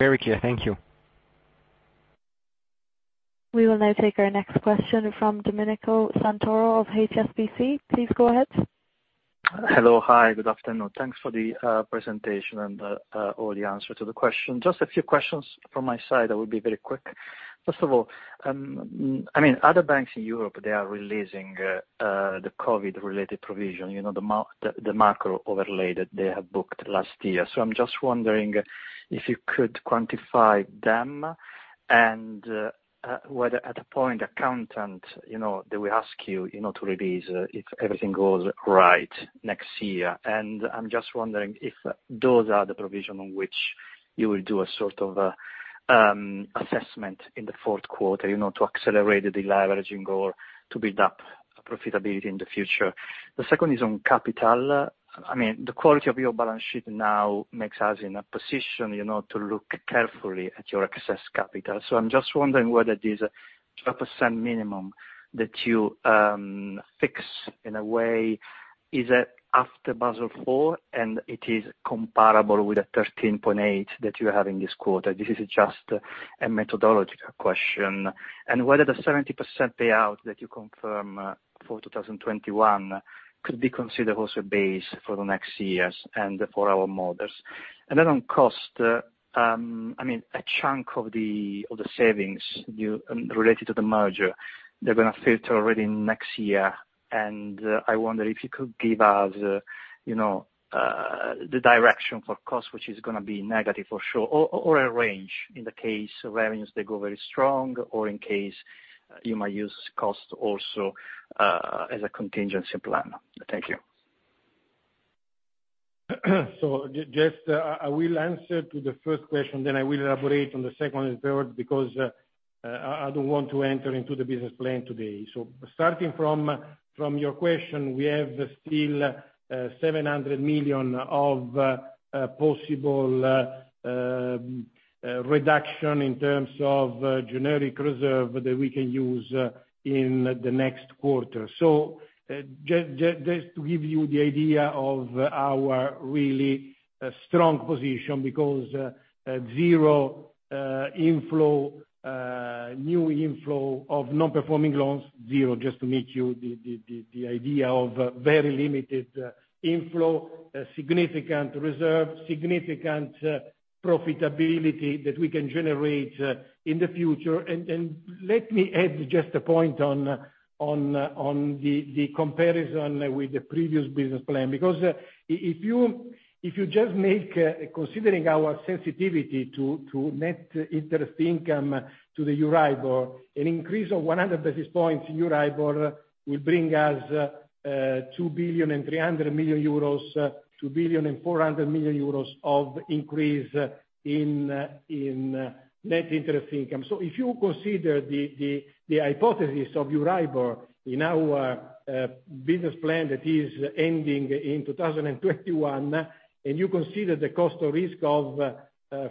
Very clear. Thank you. We will now take our next question from Domenico Santoro of HSBC. Please go ahead. Hello. Hi, good afternoon. Thanks for the presentation and all the answers to the questions. Just a few questions from my side. I will be very quick. First of all, I mean, other banks in Europe, they are releasing the COVID-related provisions, you know, the macro overlay that they have booked last year. So I'm just wondering if you could quantify them and whether the accountants, you know, they will ask you know, to release if everything goes right next year. I'm just wondering if those are the provisions on which you will do a sort of assessment in the Q4, you know, to accelerate the deleveraging or to build up profitability in the future. The second is on capital. I mean, the quality of your balance sheet now makes us in a position, you know, to look carefully at your excess capital. I'm just wondering whether this 12% minimum that you fix in a way is at, after Basel IV, and it is comparable with the 13.8 that you have in this quarter. This is just a methodological question. Whether the 70% payout that you confirm for 2021 could be considered also base for the next years and for our models. On cost, I mean, a chunk of the savings you related to the merger, they're gonna filter already next year. I wonder if you could give us, you know, the direction for cost, which is gonna be negative for sure, or a range in the case of variance that go very strong or in case you might use cost also as a contingency plan. Thank you. Just I will answer to the first question, then I will elaborate on the second and third, because I don't want to enter into the business plan today. Starting from your question, we have still 700 million of possible reduction in terms of generic reserve that we can use in the next quarter. Just to give you the idea of our really strong position, because zero new inflow of non-performing loans, zero, just to give you the idea of very limited inflow, significant reserve, significant profitability that we can generate in the future. Let me add just a point on the comparison with the previous business plan. Because if you just consider our sensitivity to net interest income to the Euribor, an increase of 100 basis points in Euribor will bring us 2.3 billion, 2.4 billion euros of increase in net interest income. If you consider the hypothesis of Euribor in our business plan that is ending in 2021, and you consider the cost of risk of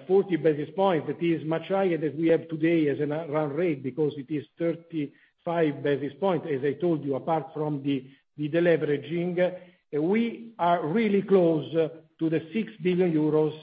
40 basis points, that is much higher than we have today as a run rate, because it is 35 basis points, as I told you, apart from the deleveraging, we are really close to the 6 billion euros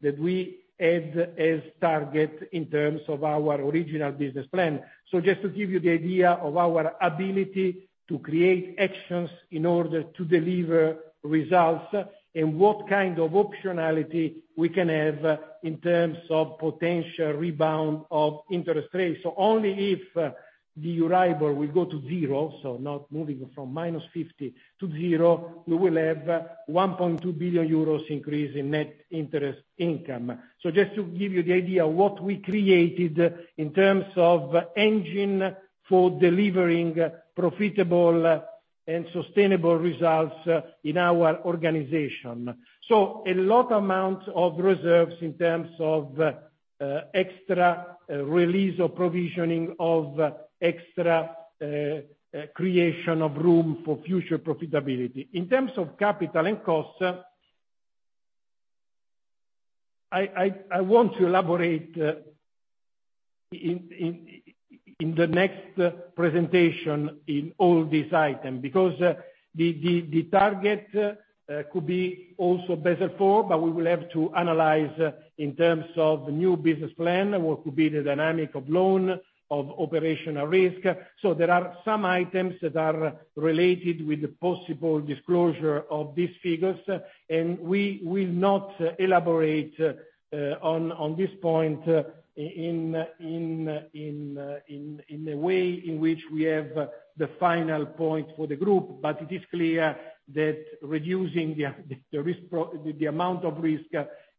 that we had as target in terms of our original business plan. Just to give you the idea of our ability to create actions in order to deliver results and what kind of optionality we can have in terms of potential rebound of interest rates. Only if the Euribor will go to zero, so not moving from -50 to zero, we will have 1.2 billion euros increase in net interest income. Just to give you the idea of what we created in terms of engine for delivering profitable and sustainable results in our organization. A large amount of reserves in terms of extra release of provisioning, extra creation of room for future profitability. In terms of capital and costs, I want to elaborate in the next presentation in all this item, because the target could be also Basel IV, but we will have to analyze in terms of new business plan, what could be the dynamic of loan, of operational risk. There are some items that are related with the possible disclosure of these figures, and we will not elaborate on this point in the way in which we have the final point for the group. It is clear that reducing the amount of risk,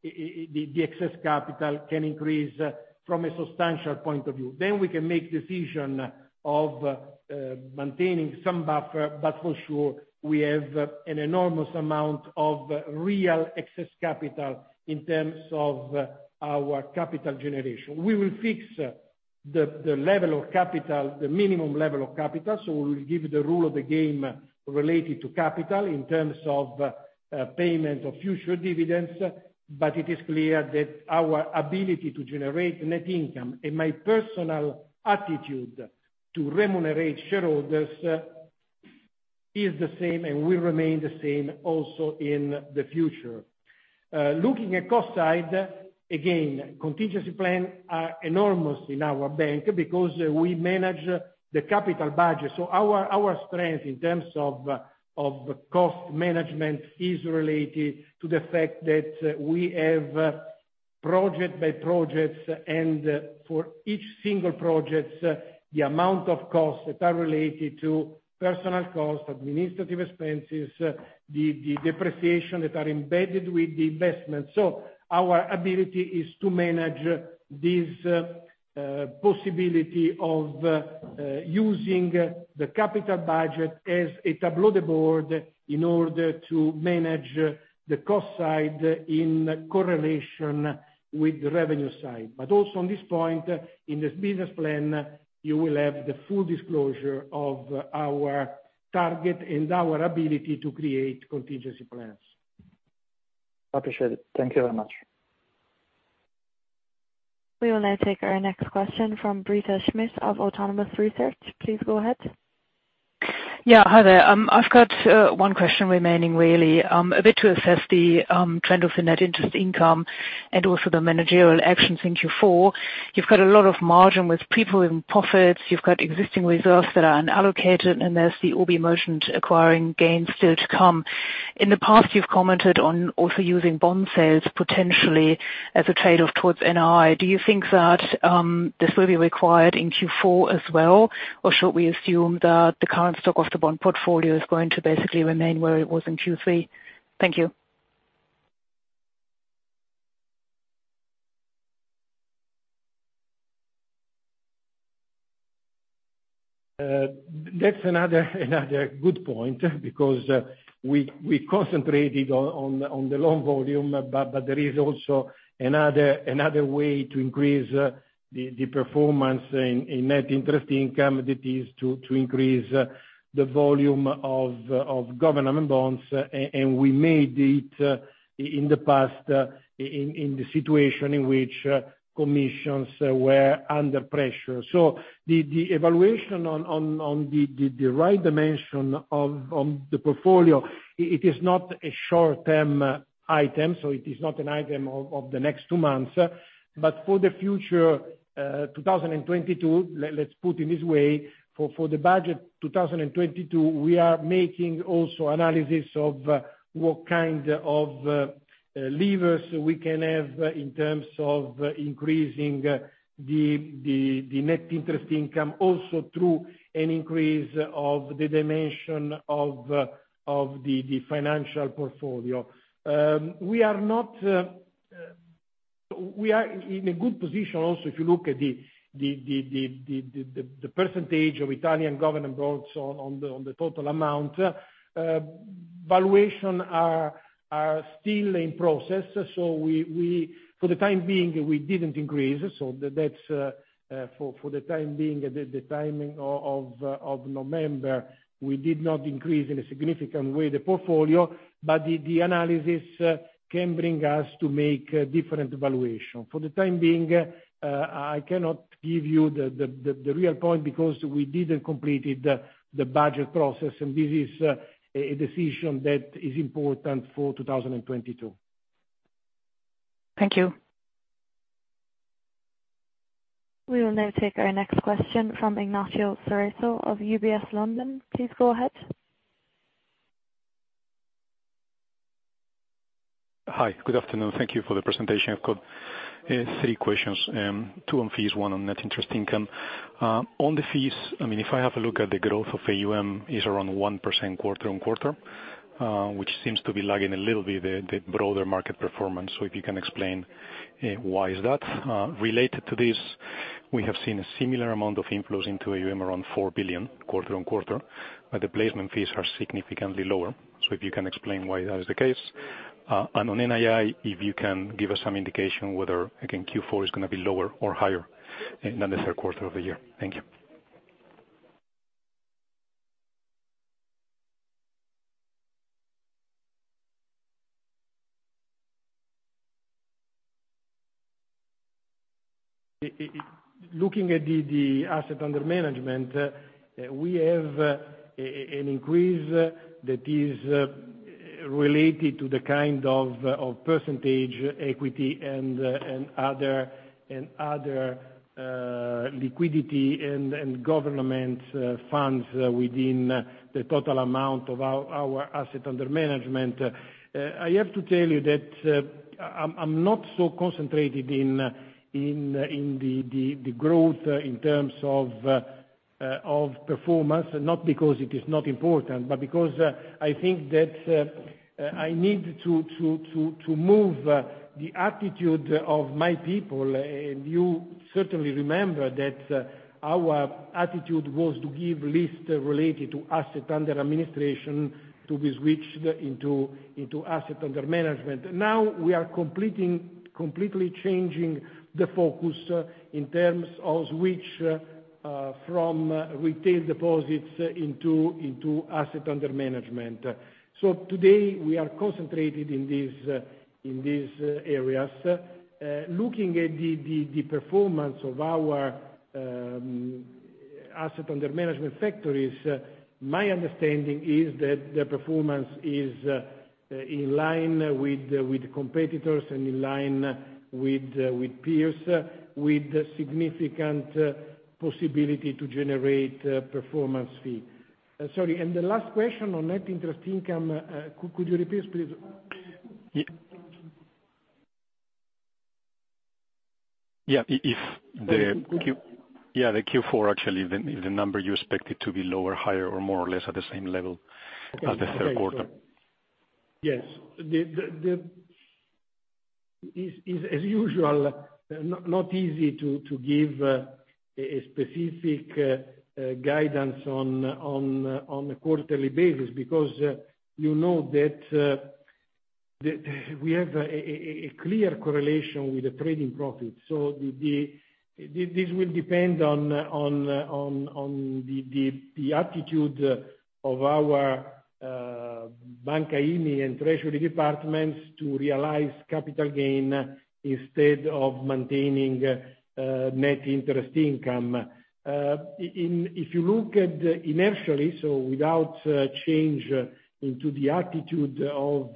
the excess capital can increase from a substantial point of view. We can make decision of maintaining some buffer, but for sure, we have an enormous amount of real excess capital in terms of our capital generation. We will fix the level of capital, the minimum level of capital, so we will give the rule of the game related to capital in terms of payment of future dividends. But it is clear that our ability to generate net income and my personal attitude to remunerate shareholders is the same and will remain the same also in the future. Looking at cost side, again, contingency plans are enormous in our bank because we manage the capital budget. Our strength in terms of cost management is related to the fact that we have project by projects, and for each single projects, the amount of costs that are related to personnel costs, administrative expenses, the depreciation that are embedded with the investment. Our ability is to manage these possibility of using the capital budget as a tableau board in order to manage the cost side in correlation with the revenue side. Also on this point, in this business plan, you will have the full disclosure of our target and our ability to create contingency plans. Appreciate it. Thank you very much. We will now take our next question from Britta Schmidt of Autonomous Research. Please go ahead. Yeah. Hi there. I've got one question remaining really, a bit to assess the trend of the net interest income and also the managerial actions in Q4. You've got a lot of margin with people in profits, you've got existing reserves that are unallocated, and there's the UBI merchant acquiring gains still to come. In the past, you've commented on also using bond sales potentially as a trade-off towards NII. Do you think that this will be required in Q4 as well, or should we assume that the current stock of the bond portfolio is going to basically remain where it was in Q3? Thank you. That's another good point because we concentrated on the loan volume, but there is also another way to increase the performance in net interest income that is to increase the volume of government bonds, and we made it in the past, in the situation in which commissions were under pressure. The evaluation on the right dimension of the portfolio, it is not a short-term item, so it is not an item of the next two months. For the future, 2022, let's put it this way, for the budget 2022, we are making also analysis of what kind of levers we can have in terms of increasing the net interest income, also through an increase of the dimension of the financial portfolio. We are in a good position also, if you look at the percentage of Italian government bonds on the total amount. Valuations are still in process, so for the time being, we didn't increase, so that's for the time being, the timing of November, we did not increase in a significant way the portfolio. The analysis can bring us to make a different valuation. For the time being, I cannot give you the real point because we didn't complete the budget process, and this is a decision that is important for 2022. Thank you. We will now take our next question from Ignacio Cerezo of UBS London. Please go ahead. Hi. Good afternoon. Thank you for the presentation. I've got three questions, two on fees, one on net interest income. On the fees, I mean, if I have a look at the growth of AUM, it's around 1% quarter on quarter, which seems to be lagging a little bit, the broader market performance, so if you can explain why is that. Related to this, we have seen a similar amount of inflows into AUM, around 4 billion quarter on quarter, but the placement fees are significantly lower, so if you can explain why that is the case. And on NII, if you can give us some indication whether, again, Q4 is gonna be lower or higher than the Q3 of the year. Thank you. Looking at the assets under management, we have an increase that is related to the kind of percentage equity and other liquidity and government funds within the total amount of our assets under management. I have to tell you that I'm not so concentrated in the growth in terms of performance, not because it is not important, but because I think that I need to move the attitude of my people. You certainly remember that our attitude was to give list related to assets under administration to be switched into assets under management. Now, we are completely changing the focus in terms of switch from retail deposits into assets under management. Today, we are concentrated in these areas. Looking at the performance of our assets under management, my understanding is that the performance is in line with competitors and in line with peers, with significant possibility to generate performance fee. Sorry, the last question on net interest income, could you repeat please? Yeah. If the Q Sorry. Yeah. The Q4, actually, the number you expected to be lower, higher, or more or less at the same level as the Q3? Yes. It is as usual not easy to give a specific guidance on a quarterly basis because you know that we have a clear correlation with the trading profit. This will depend on the attitude of our Banca dei Territori and treasury departments to realize capital gain instead of maintaining net interest income. If you look at it inertially, so without changes in the attitude of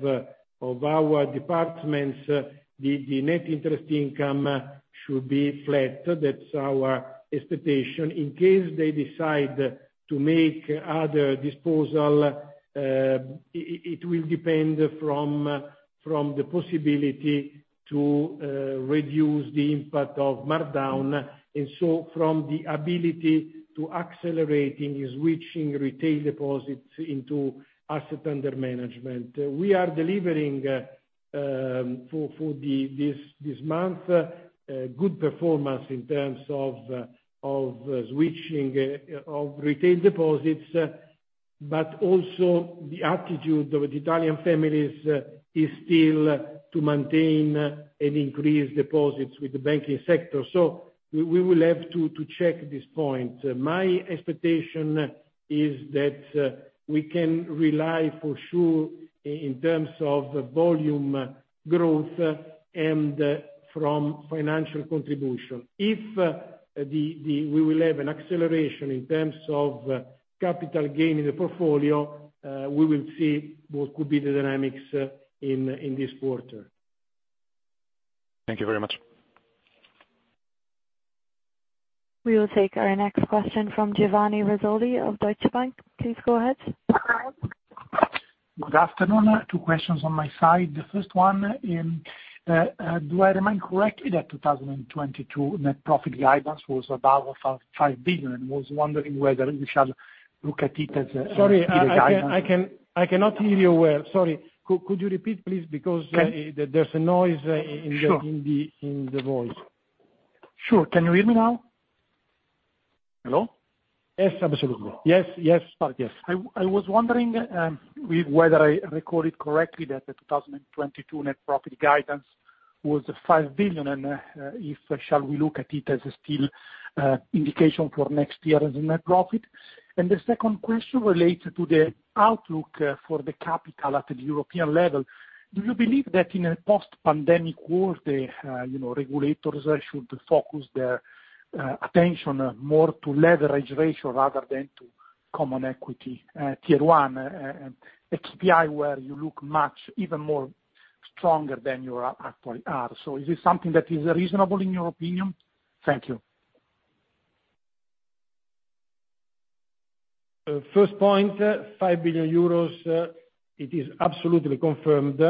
our departments, the net interest income should be flat. That's our expectation. In case they decide to make other disposal, it will depend on the possibility to reduce the impact of markdown, and so from the ability to accelerate the reaching of retail deposits into assets under management. We are delivering for this month good performance in terms of switching of retail deposits, but also the attitude of Italian families is still to maintain and increase deposits with the banking sector. We will have to check this point. My expectation is that we can rely for sure in terms of volume growth and from financial contribution. If we will have an acceleration in terms of capital gain in the portfolio, we will see what could be the dynamics in this quarter. Thank you very much. We will take our next question from Giovanni Razzoli of Deutsche Bank. Please go ahead. Good afternoon. Two questions on my side. The first one, do I remember correctly that 2022 net profit guidance was about 5 billion? Was wondering whether we shall look at it as a- Sorry. guidance. I cannot hear you well. Sorry. Could you repeat, please? Because Okay. There's a noise in the. Sure. in the voice. Sure. Can you hear me now? Hello? Yes, absolutely. Yes. Pardon. Yes. I was wondering whether I recall it correctly that the 2022 net profit guidance was 5 billion, and if we shall look at it as still an indication for next year as a net profit. The second question relates to the outlook for the capital at the European level. Do you believe that in a post-pandemic world, regulators should focus their attention more to leverage ratio rather than to Common Equity Tier 1, and CET1, where you look much even more stronger than you actually are. Is this something that is reasonable in your opinion? Thank you. First point, 5 billion euros, it is absolutely confirmed.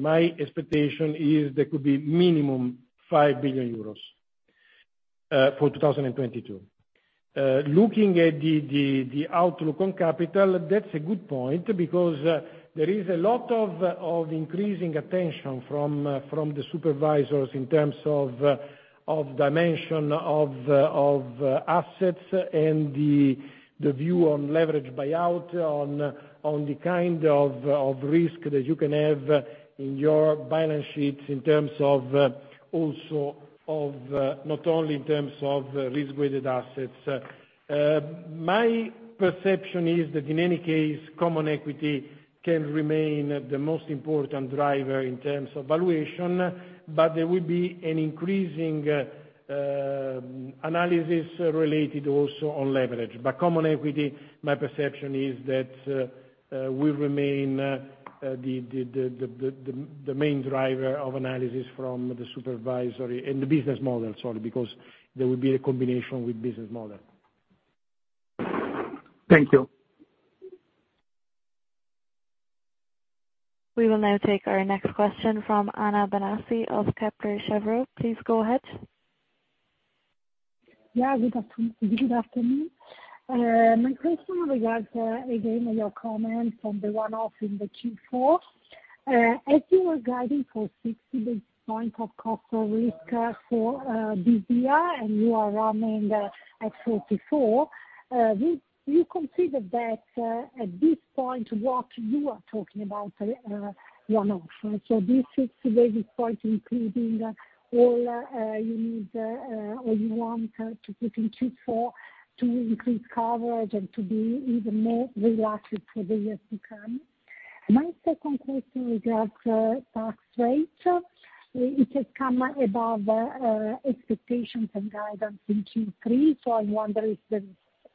My expectation is there could be minimum 5 billion euros for 2022. Looking at the outlook on capital, that's a good point because there is a lot of increasing attention from the supervisors in terms of dimension of assets and the view on leveraged buyout on the kind of risk that you can have in your balance sheets in terms of also not only in terms of risk-weighted assets. My perception is that in any case, common equity can remain the most important driver in terms of valuation, but there will be an increasing analysis related also on leverage. Common equity, my perception is that will remain the main driver of analysis from the supervisory and the business model, sorry, because there will be a combination with business model. Thank you. We will now take our next question from Anna Benassi of Kepler Cheuvreux. Please go ahead. Yeah, good afternoon. My question regards again your comments on the one-off in the Q4. As you were guiding for 60 basis points of cost of risk for this year and you are running at 44, do you consider that at this point what you are talking about one-off. So, this 60 basis points including all you need or you want to put in Q4 to increase coverage and to be even more relaxed for the years to come. My second question regards tax rates. It has come above expectations and guidance in Q3. So, I wonder if there's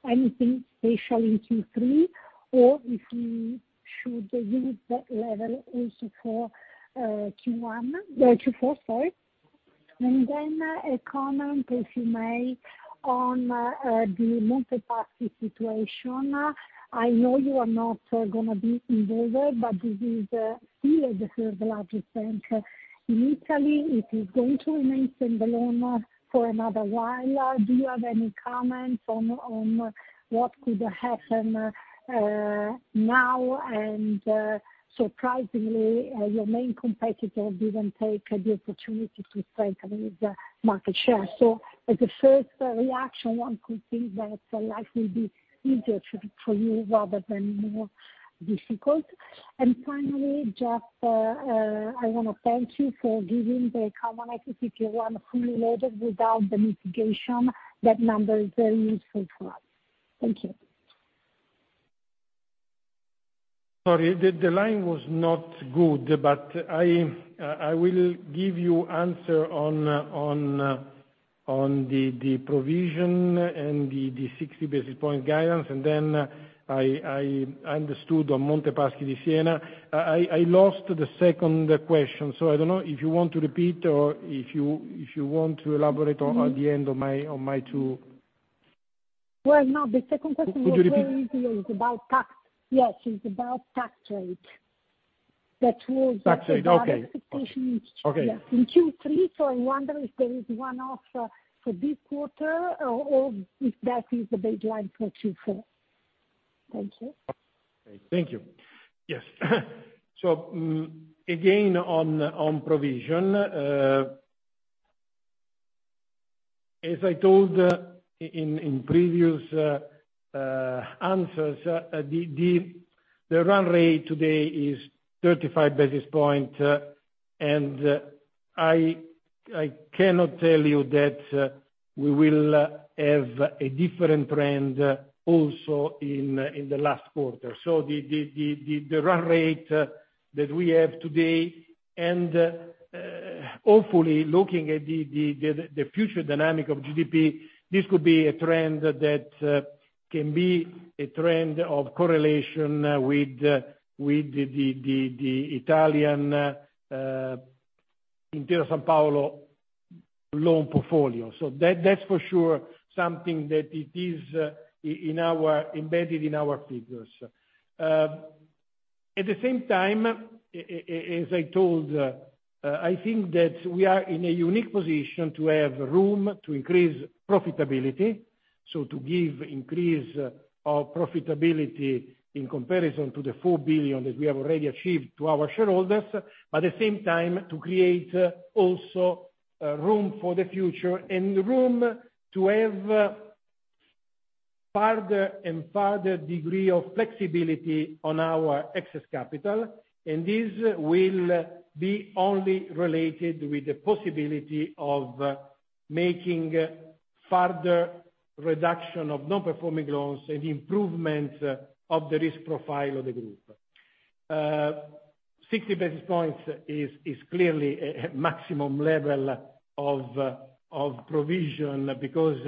anything special in Q3 or if we should use that level also for Q1, Q4, sorry. A comment, if you may, on the Monte dei Paschi situation. I know you are not gonna be involved, but this is still the third largest bank in Italy. It is going to remain standalone for another while. Do you have any comments on what could happen now? Surprisingly, your main competitor didn't take the opportunity to strengthen its market share. As a first reaction, one could think that life will be easier for you rather than more difficult. Finally, just, I wanna thank you for giving the Common Equity Tier 1 fully loaded without the mitigation. That number is very useful for us. Thank you. Sorry, the line was not good, but I will give you answer on the provision and the 60 basis point guidance, and then I understood on Monte dei Paschi di Siena. I lost the second question, so I don't know if you want to repeat or if you want to elaborate on at the end of my two Well, no, the second question. Would you repeat? was very easy. It was about tax. Yes, it's about tax rate. That was. Tax rate, okay. Okay the expectation in Q3, so I wonder if there is one-off for this quarter or if that is the baseline for Q4. Thank you. Thank you. Yes. Again, on provision, as I told in previous answers, the run rate today is 35 basis points, and I cannot tell you that we will have a different trend also in the last quarter. The run rate that we have today and hopefully looking at the future dynamics of GDP, this could be a trend that can be a trend of correlation with the Italian Intesa Sanpaolo loan portfolio. That, that's for sure something that it is embedded in our figures. At the same time, as I told, I think that we are in a unique position to have room to increase profitability, so to give increase our profitability in comparison to the 4 billion that we have already achieved to our shareholders, at the same time to create room for the future and room to have further and further degree of flexibility on our excess capital, and this will be only related with the possibility of making further reduction of non-performing loans and improvement of the risk profile of the group. 60 basis points is clearly a maximum level of provision because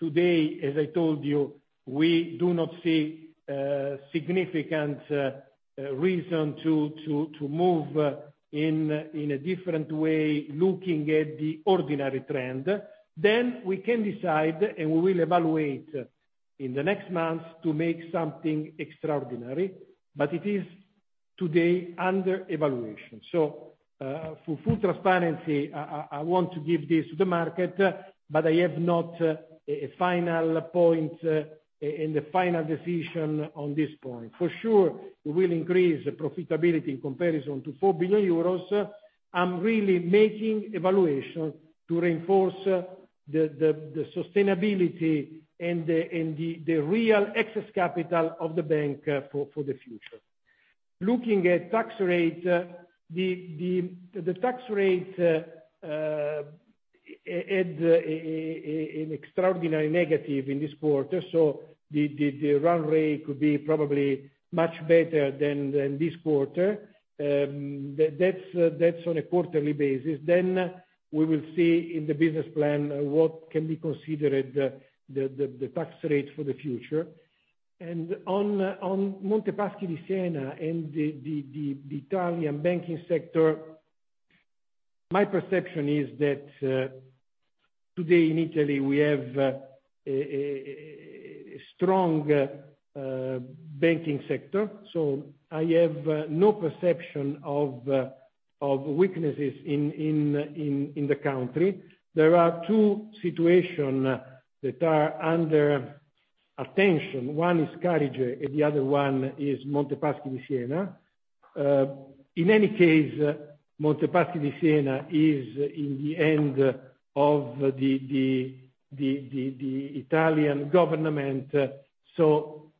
today, as I told you, we do not see significant reason to move in a different way looking at the ordinary trend. We can decide, and we will evaluate in the next months to make something extraordinary, but it is today under evaluation. For full transparency, I want to give this to the market, but I have not a final point in the final decision on this point. For sure, we will increase the profitability in comparison to 4 billion euros. I'm really making evaluation to reinforce the sustainability and the real excess capital of the bank for the future. Looking at tax rate, the tax rate had an extraordinary negative in this quarter, so the run rate could be probably much better than this quarter. That's on a quarterly basis. We will see in the business plan what can be considered the tax rate for the future. On Monte dei Paschi di Siena and the Italian banking sector, my perception is that today in Italy, we have a strong banking sector. I have no perception of weaknesses in the country. There are two situation that are under attention. One is Carige, and the other one is Monte dei Paschi di Siena. In any case, Monte dei Paschi di Siena is in the hand of the Italian government, so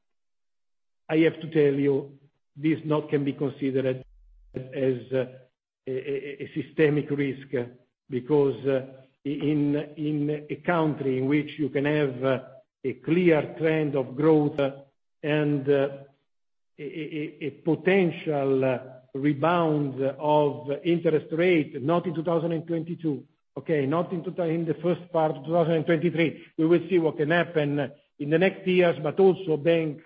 I have to tell you, this not can be considered as a systemic risk because in a country in which you can have a clear trend of growth and a potential rebound of interest rate, not in 2022, okay? Not in the first part of 2023. We will see what can happen in the next years, but also bank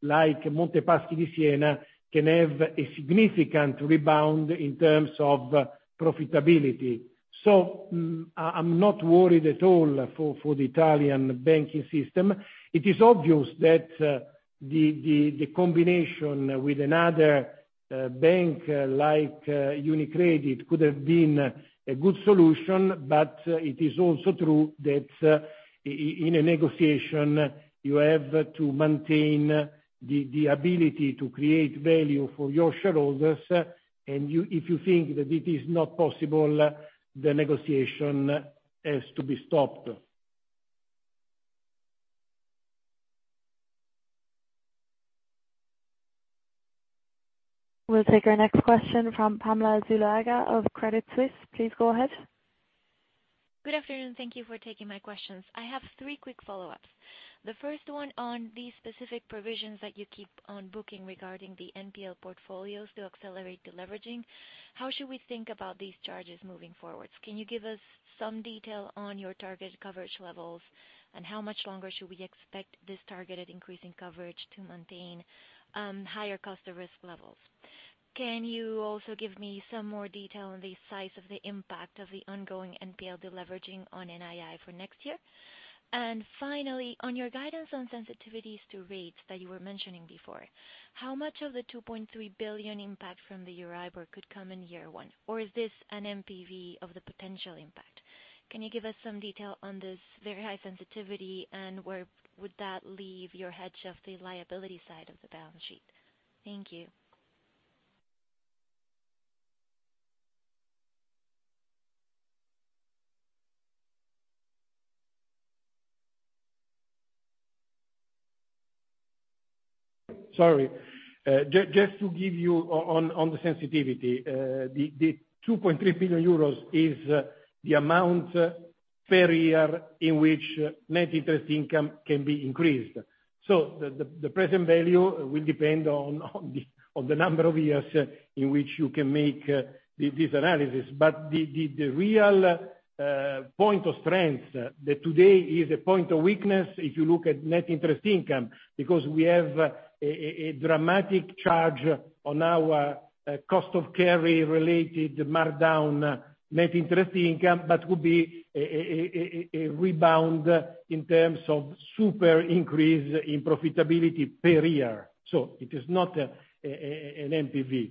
like Monte dei Paschi di Siena can have a significant rebound in terms of profitability. I'm not worried at all for the Italian banking system. It is obvious that the combination with another bank, like UniCredit, could have been a good solution, but it is also true that in a negotiation, you have to maintain the ability to create value for your shareholders, and you, if you think that it is not possible, the negotiation has to be stopped. We'll take our next question from Pamela Zuluaga of Credit Suisse. Please go ahead. Good afternoon. Thank you for taking my questions. I have three quick follow-ups. The first one on the specific provisions that you keep on booking regarding the NPL portfolios to accelerate deleveraging. How should we think about these charges moving forward? Can you give us some detail on your target coverage levels, and how much longer should we expect this targeted increase in coverage to maintain higher cost of risk levels? Can you also give me some more detail on the size of the impact of the ongoing NPL deleveraging on NII for next year? And finally, on your guidance on sensitivities to rates that you were mentioning before, how much of the 2.3 billion impact from the euro could come in year one, or is this an NPV of the potential impact? Can you give us some detail on this very high sensitivity, and where would that leave your hedge of the liability side of the balance sheet? Thank you. Sorry. Just to give you on the sensitivity, the 2.3 billion euros is the amount per year in which net interest income can be increased. The present value will depend on the number of years in which you can make this analysis. The real point of strength that today is a point of weakness if you look at net interest income, because we have a dramatic charge on our cost of carry related markdown net interest income, that would be a rebound in terms of super increase in profitability per year. It is not an NPV.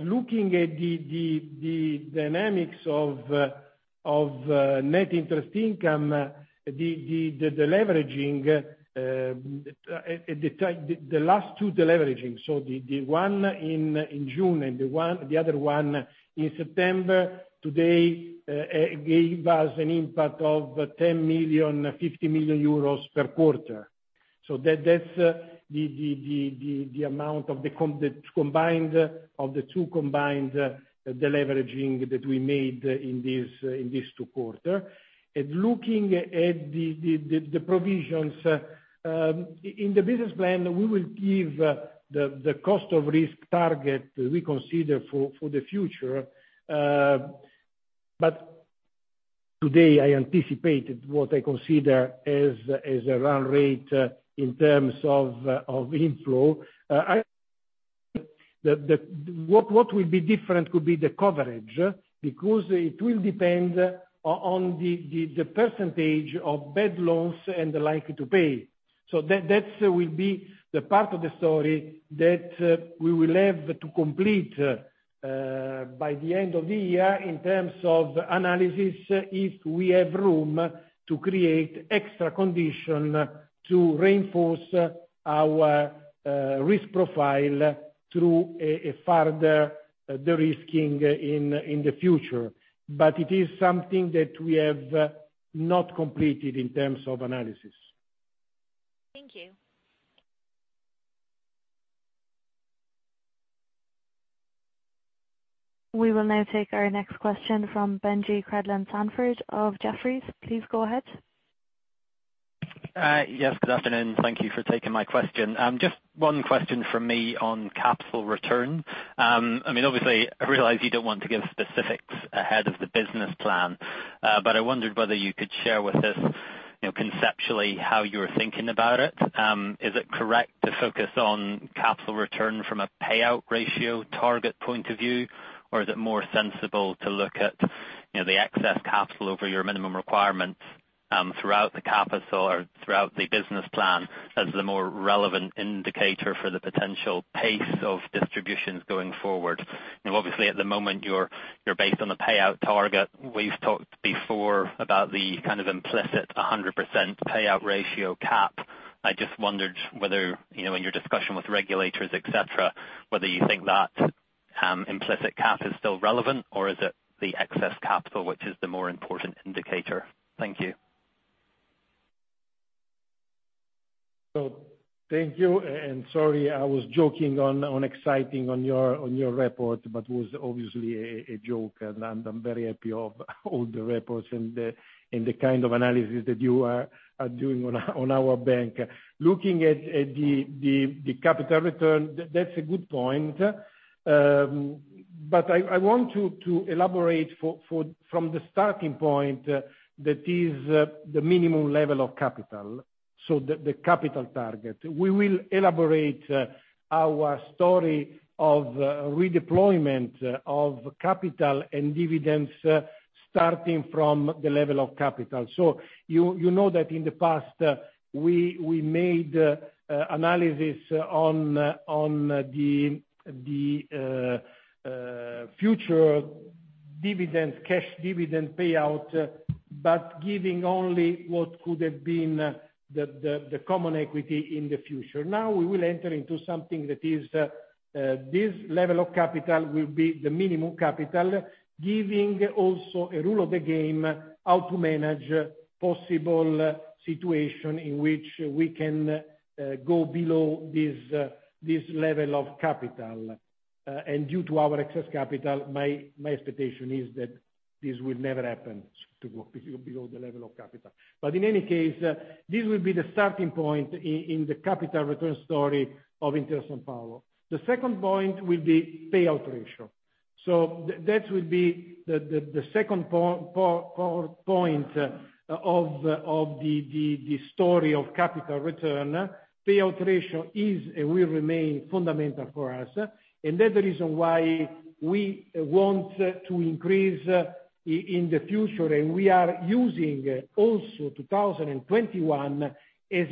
Looking at the dynamics of net interest income, the deleveraging at the last two deleveragings, so the one in June and the other one in September today, gave us an impact of 10 million, 50 million euros per quarter. That's the amount of the combined of the two deleveragings that we made in these two quarters. Looking at the provisions in the business plan, we will give the cost of risk target we consider for the future. But today I anticipated what I consider as a run rate in terms of inflow. The... What will be different could be the coverage, because it will depend on the percentage of bad loans and the likelihood to pay. That will be the part of the story that we will have to complete by the end of the year in terms of analysis, if we have room to create extra condition to reinforce our risk profile through a further de-risking in the future. It is something that we have not completed in terms of analysis. Thank you. We will now take our next question from Benjie Creelan-Sandford of Jefferies. Please go ahead. Yes, good afternoon. Thank you for taking my question. Just one question from me on capital return. I mean, obviously, I realize you don't want to give specifics ahead of the business plan, but I wondered whether you could share with us, you know, conceptually how you're thinking about it. Is it correct to focus on capital return from a payout ratio target point of view? Or is it more sensible to look at, you know, the excess capital over your minimum requirements, throughout the capital or throughout the business plan as the more relevant indicator for the potential pace of distributions going forward? You know, obviously at the moment you're based on a payout target. We've talked before about the kind of implicit 100% payout ratio cap. I just wondered whether, you know, in your discussion with regulators, et cetera, whether you think that implicit cap is still relevant, or is it the excess capital which is the more important indicator? Thank you. Thank you, and sorry, I was joking on exciting on your report, but was obviously a joke, and I'm very happy of all the reports and the kind of analysis that you are doing on our bank. Looking at the capital return, that's a good point. But I want to elaborate from the starting point that is the minimum level of capital. The capital target. We will elaborate our story of redeployment of capital and dividends starting from the level of capital. You know that in the past we made analysis on the future dividend, cash dividend payout, but giving only what could have been the common equity in the future. Now we will enter into something that is this level of capital will be the minimum capital, giving also a rule of the game how to manage possible situation in which we can go below this level of capital. Due to our excess capital, my expectation is that this will never happen, to go below the level of capital. In any case, this will be the starting point in the capital return story of Intesa Sanpaolo. The second point will be payout ratio. That will be the second point of the story of capital return. Payout ratio is and will remain fundamental for us. That's the reason why we want to increase in the future, and we are using also 2021 as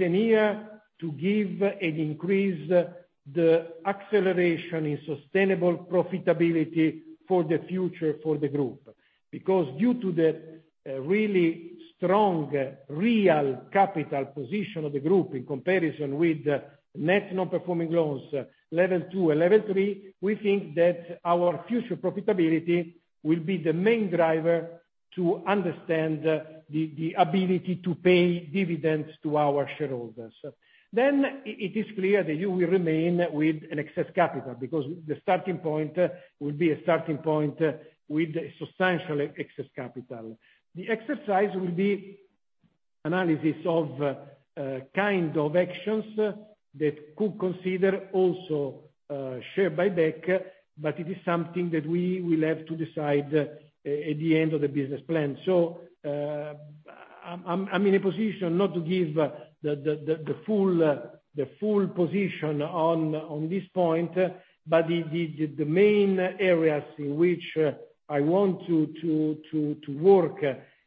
a year to give an increase, the acceleration in sustainable profitability for the future for the group. Because due to the really strong regulatory capital position of the group in comparison with net non-performing loans Stage 2 and Stage 3, we think that our future profitability will be the main driver to understand the ability to pay dividends to our shareholders. It is clear that you will remain with an excess capital, because the starting point will be a starting point with substantial excess capital. The exercise will be analysis of kind of actions that could consider also share buyback, but it is something that we will have to decide at the end of the business plan. I'm in a position not to give the full position on this point, but the main areas in which I want to work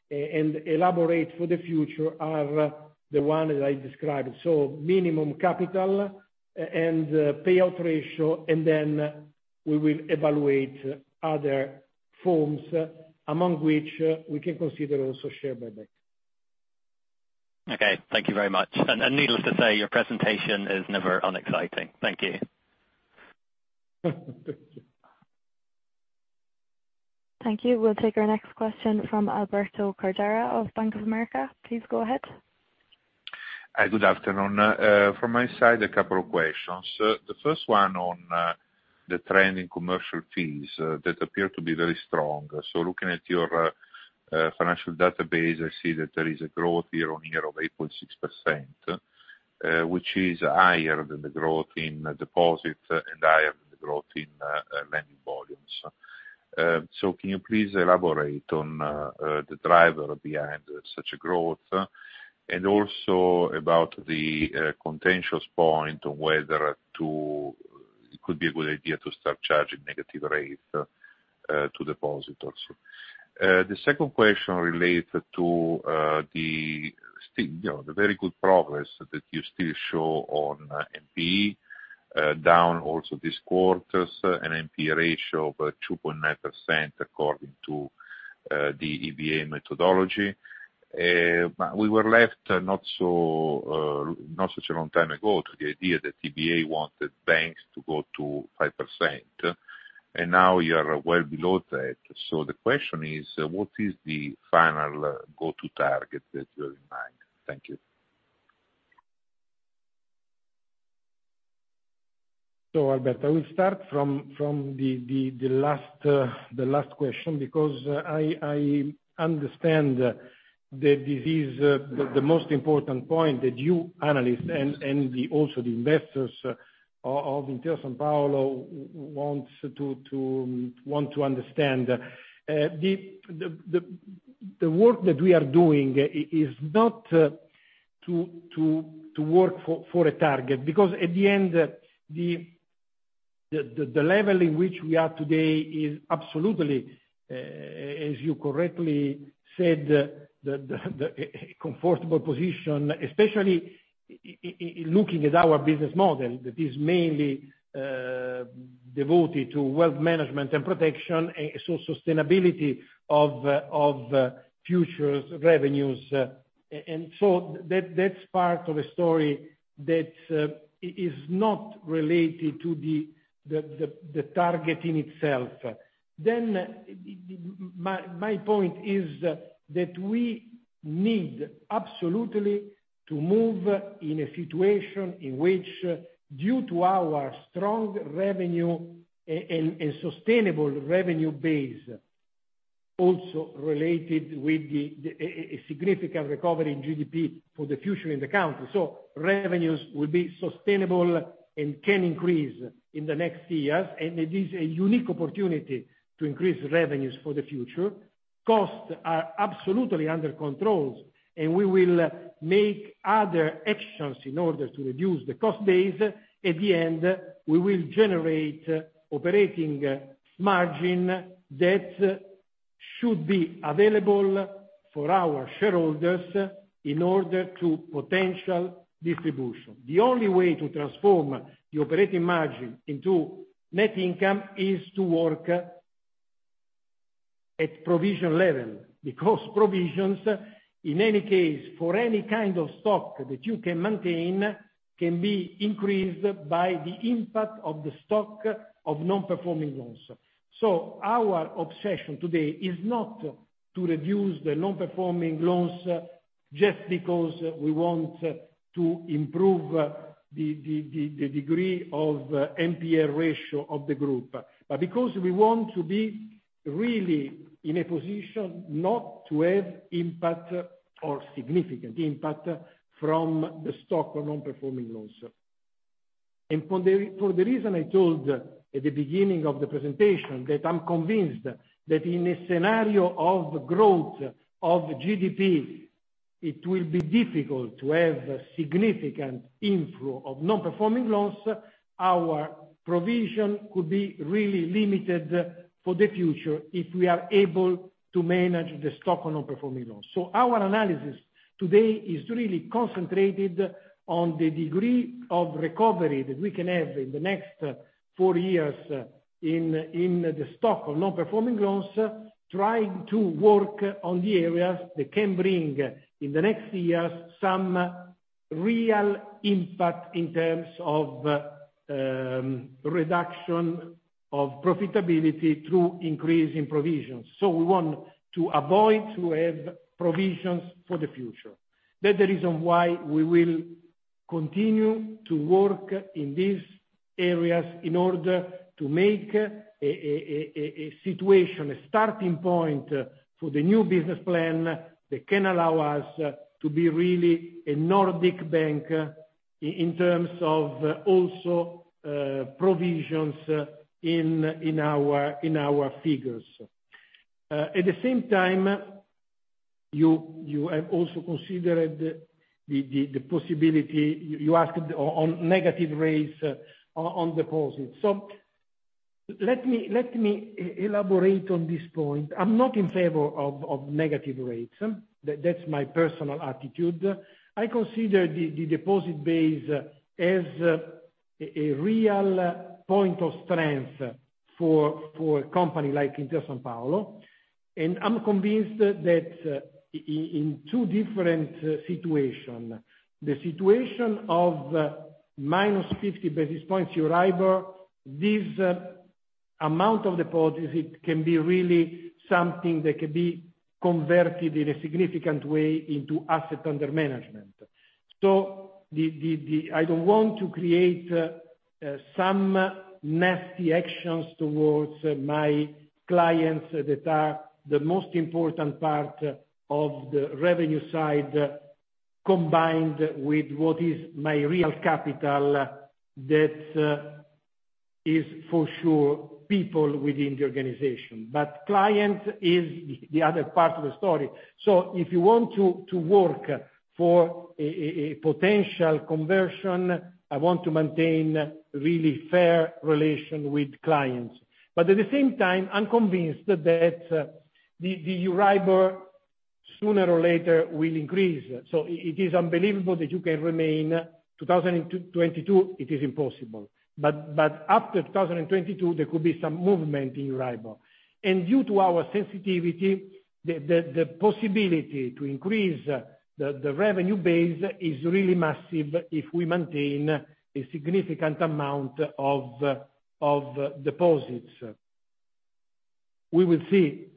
and elaborate for the future are the one that I described. Minimum capital and payout ratio, and then we will evaluate other forms, among which we can consider also share buyback. Okay, thank you very much. Needless to say, your presentation is never unexciting. Thank you. Thank you. Thank you. We'll take our next question from Alberto Cordara of Bank of America. Please go ahead. Good afternoon. From my side, a couple of questions. The first one on the trending commercial fees that appear to be very strong. Looking at your financial database, I see that there is a growth year-on-year of 8.6%, which is higher than the growth in deposit and higher than the growth in lending volumes. Can you please elaborate on the driver behind such a growth? And also, about the contentious point on whether it could be a good idea to start charging negative rates to depositors. The second question relate to the still, you know, the very good progress that you still show on NPL, down also this quarter's, an NPL ratio of 2.9% according to the EBA methodology. We were left not such a long time ago to the idea that EBA wanted banks to go to 5%, and now you're well below that. The question is, what is the final go-to target that you have in mind? Thank you. Alberto, we start from the last question because I understand that this is the most important point that you analysts and also the investors of Intesa Sanpaolo want to understand. The work that we are doing is not to work for a target, because at the end, the level in which we are today is absolutely, as you correctly said, the comfortable position, especially looking at our business model that is mainly devoted to wealth management and protection, and so sustainability of future revenues. And so that's part of a story that is not related to the target in itself. My point is that we need absolutely to move in a situation in which, due to our strong revenue and sustainable revenue base, also related with a significant recovery in GDP for the future in the country. Revenues will be sustainable and can increase in the next years, and it is a unique opportunity to increase revenues for the future. Costs are absolutely under control, and we will make other actions in order to reduce the cost base. At the end, we will generate operating margin that should be available for our shareholders in order to potential distribution. The only way to transform the operating margin into net income is to work at provision level, because provisions, in any case, for any kind of stock that you can maintain, can be increased by the impact of the stock of non-performing loans. Our obsession today is not to reduce the non-performing loans just because we want to improve the degree of NPL ratio of the group, but because we want to be really in a position not to have impact or significant impact from the stock or non-performing loans. For the reason I told at the beginning of the presentation that I'm convinced that in a scenario of growth of GDP, it will be difficult to have significant inflow of non-performing loans. Our provision could be really limited for the future if we are able to manage the stock on non-performing loans. Our analysis today is really concentrated on the degree of recovery that we can have in the next four years in the stock of non-performing loans, trying to work on the areas that can bring in the next years some real impact in terms of reduction of profitability through increase in provisions. We want to avoid to have provisions for the future. That's the reason why we will continue to work in these areas in order to make a situation, a starting point for the new business plan that can allow us to be really a Nordic bank in terms of also provisions in our figures. At the same time, you have also considered the possibility you asked on negative rates on deposits. Let me elaborate on this point. I'm not in favor of negative rates. That's my personal attitude. I consider the deposit base as a real point of strength for a company like Intesa Sanpaolo, and I'm convinced that in two different situation, the situation of minus 50 basis points Euribor, this amount of deposits, it can be really something that can be converted in a significant way into asset under management. The I don't want to create some nasty actions towards my clients that are the most important part of the revenue side, combined with what is my real capital that is for sure people within the organization. Client is the other part of the story. If you want to work for a potential conversion, I want to maintain really fair relation with clients. I'm convinced that the Euribor sooner or later will increase. It is unbelievable that you can remain 2022, it is impossible. After 2022, there could be some movement in Euribor. Due to our sensitivity, the possibility to increase the revenue base is really massive if we maintain a significant amount of deposits. We will see.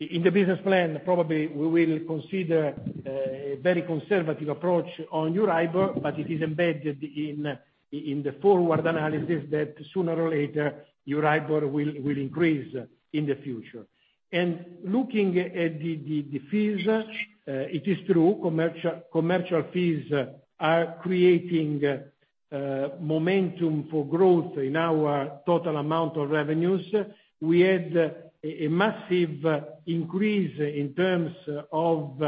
In the business plan, probably we will consider a very conservative approach on Euribor, but it is embedded in the forward analysis that sooner or later Euribor will increase in the future. Looking at the fees, it is true, commercial fees are creating momentum for growth in our total amount of revenues. We had a massive increase in terms of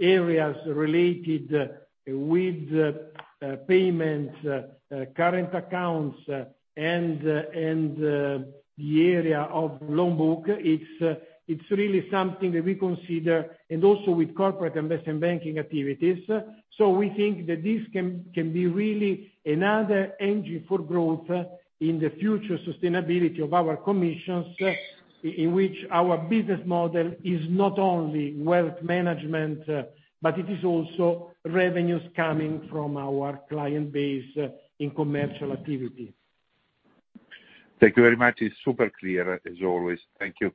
areas related with payment, current accounts and the area of loan book. It's really something that we consider and also with corporate investment banking activities. We think that this can be really another engine for growth in the future sustainability of our commissions, in which our business model is not only wealth management, but it is also revenues coming from our client base in commercial activity. Thank you very much. It's super clear as always. Thank you.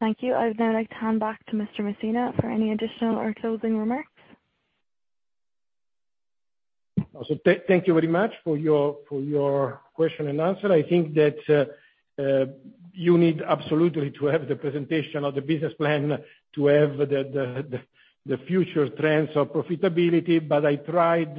Thank you. I'd now like to hand back to Mr. Messina for any additional or closing remarks. Thank you very much for your question and answer. I think that you need absolutely to have the presentation of the business plan to have the future trends of profitability. But I tried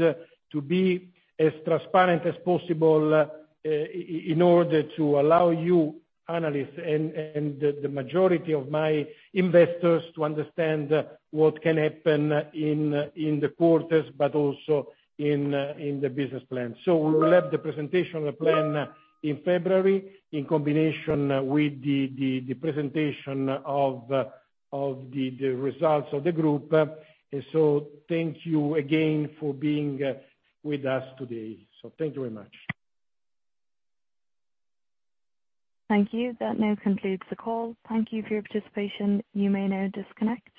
to be as transparent as possible, in order to allow you analysts and the majority of my investors to understand what can happen in the quarters, but also in the business plan. We will have the presentation plan in February in combination with the presentation of the results of the group. Thank you again for being with us today. Thank you very much. Thank you. That now concludes the call. Thank you for your participation. You may now disconnect.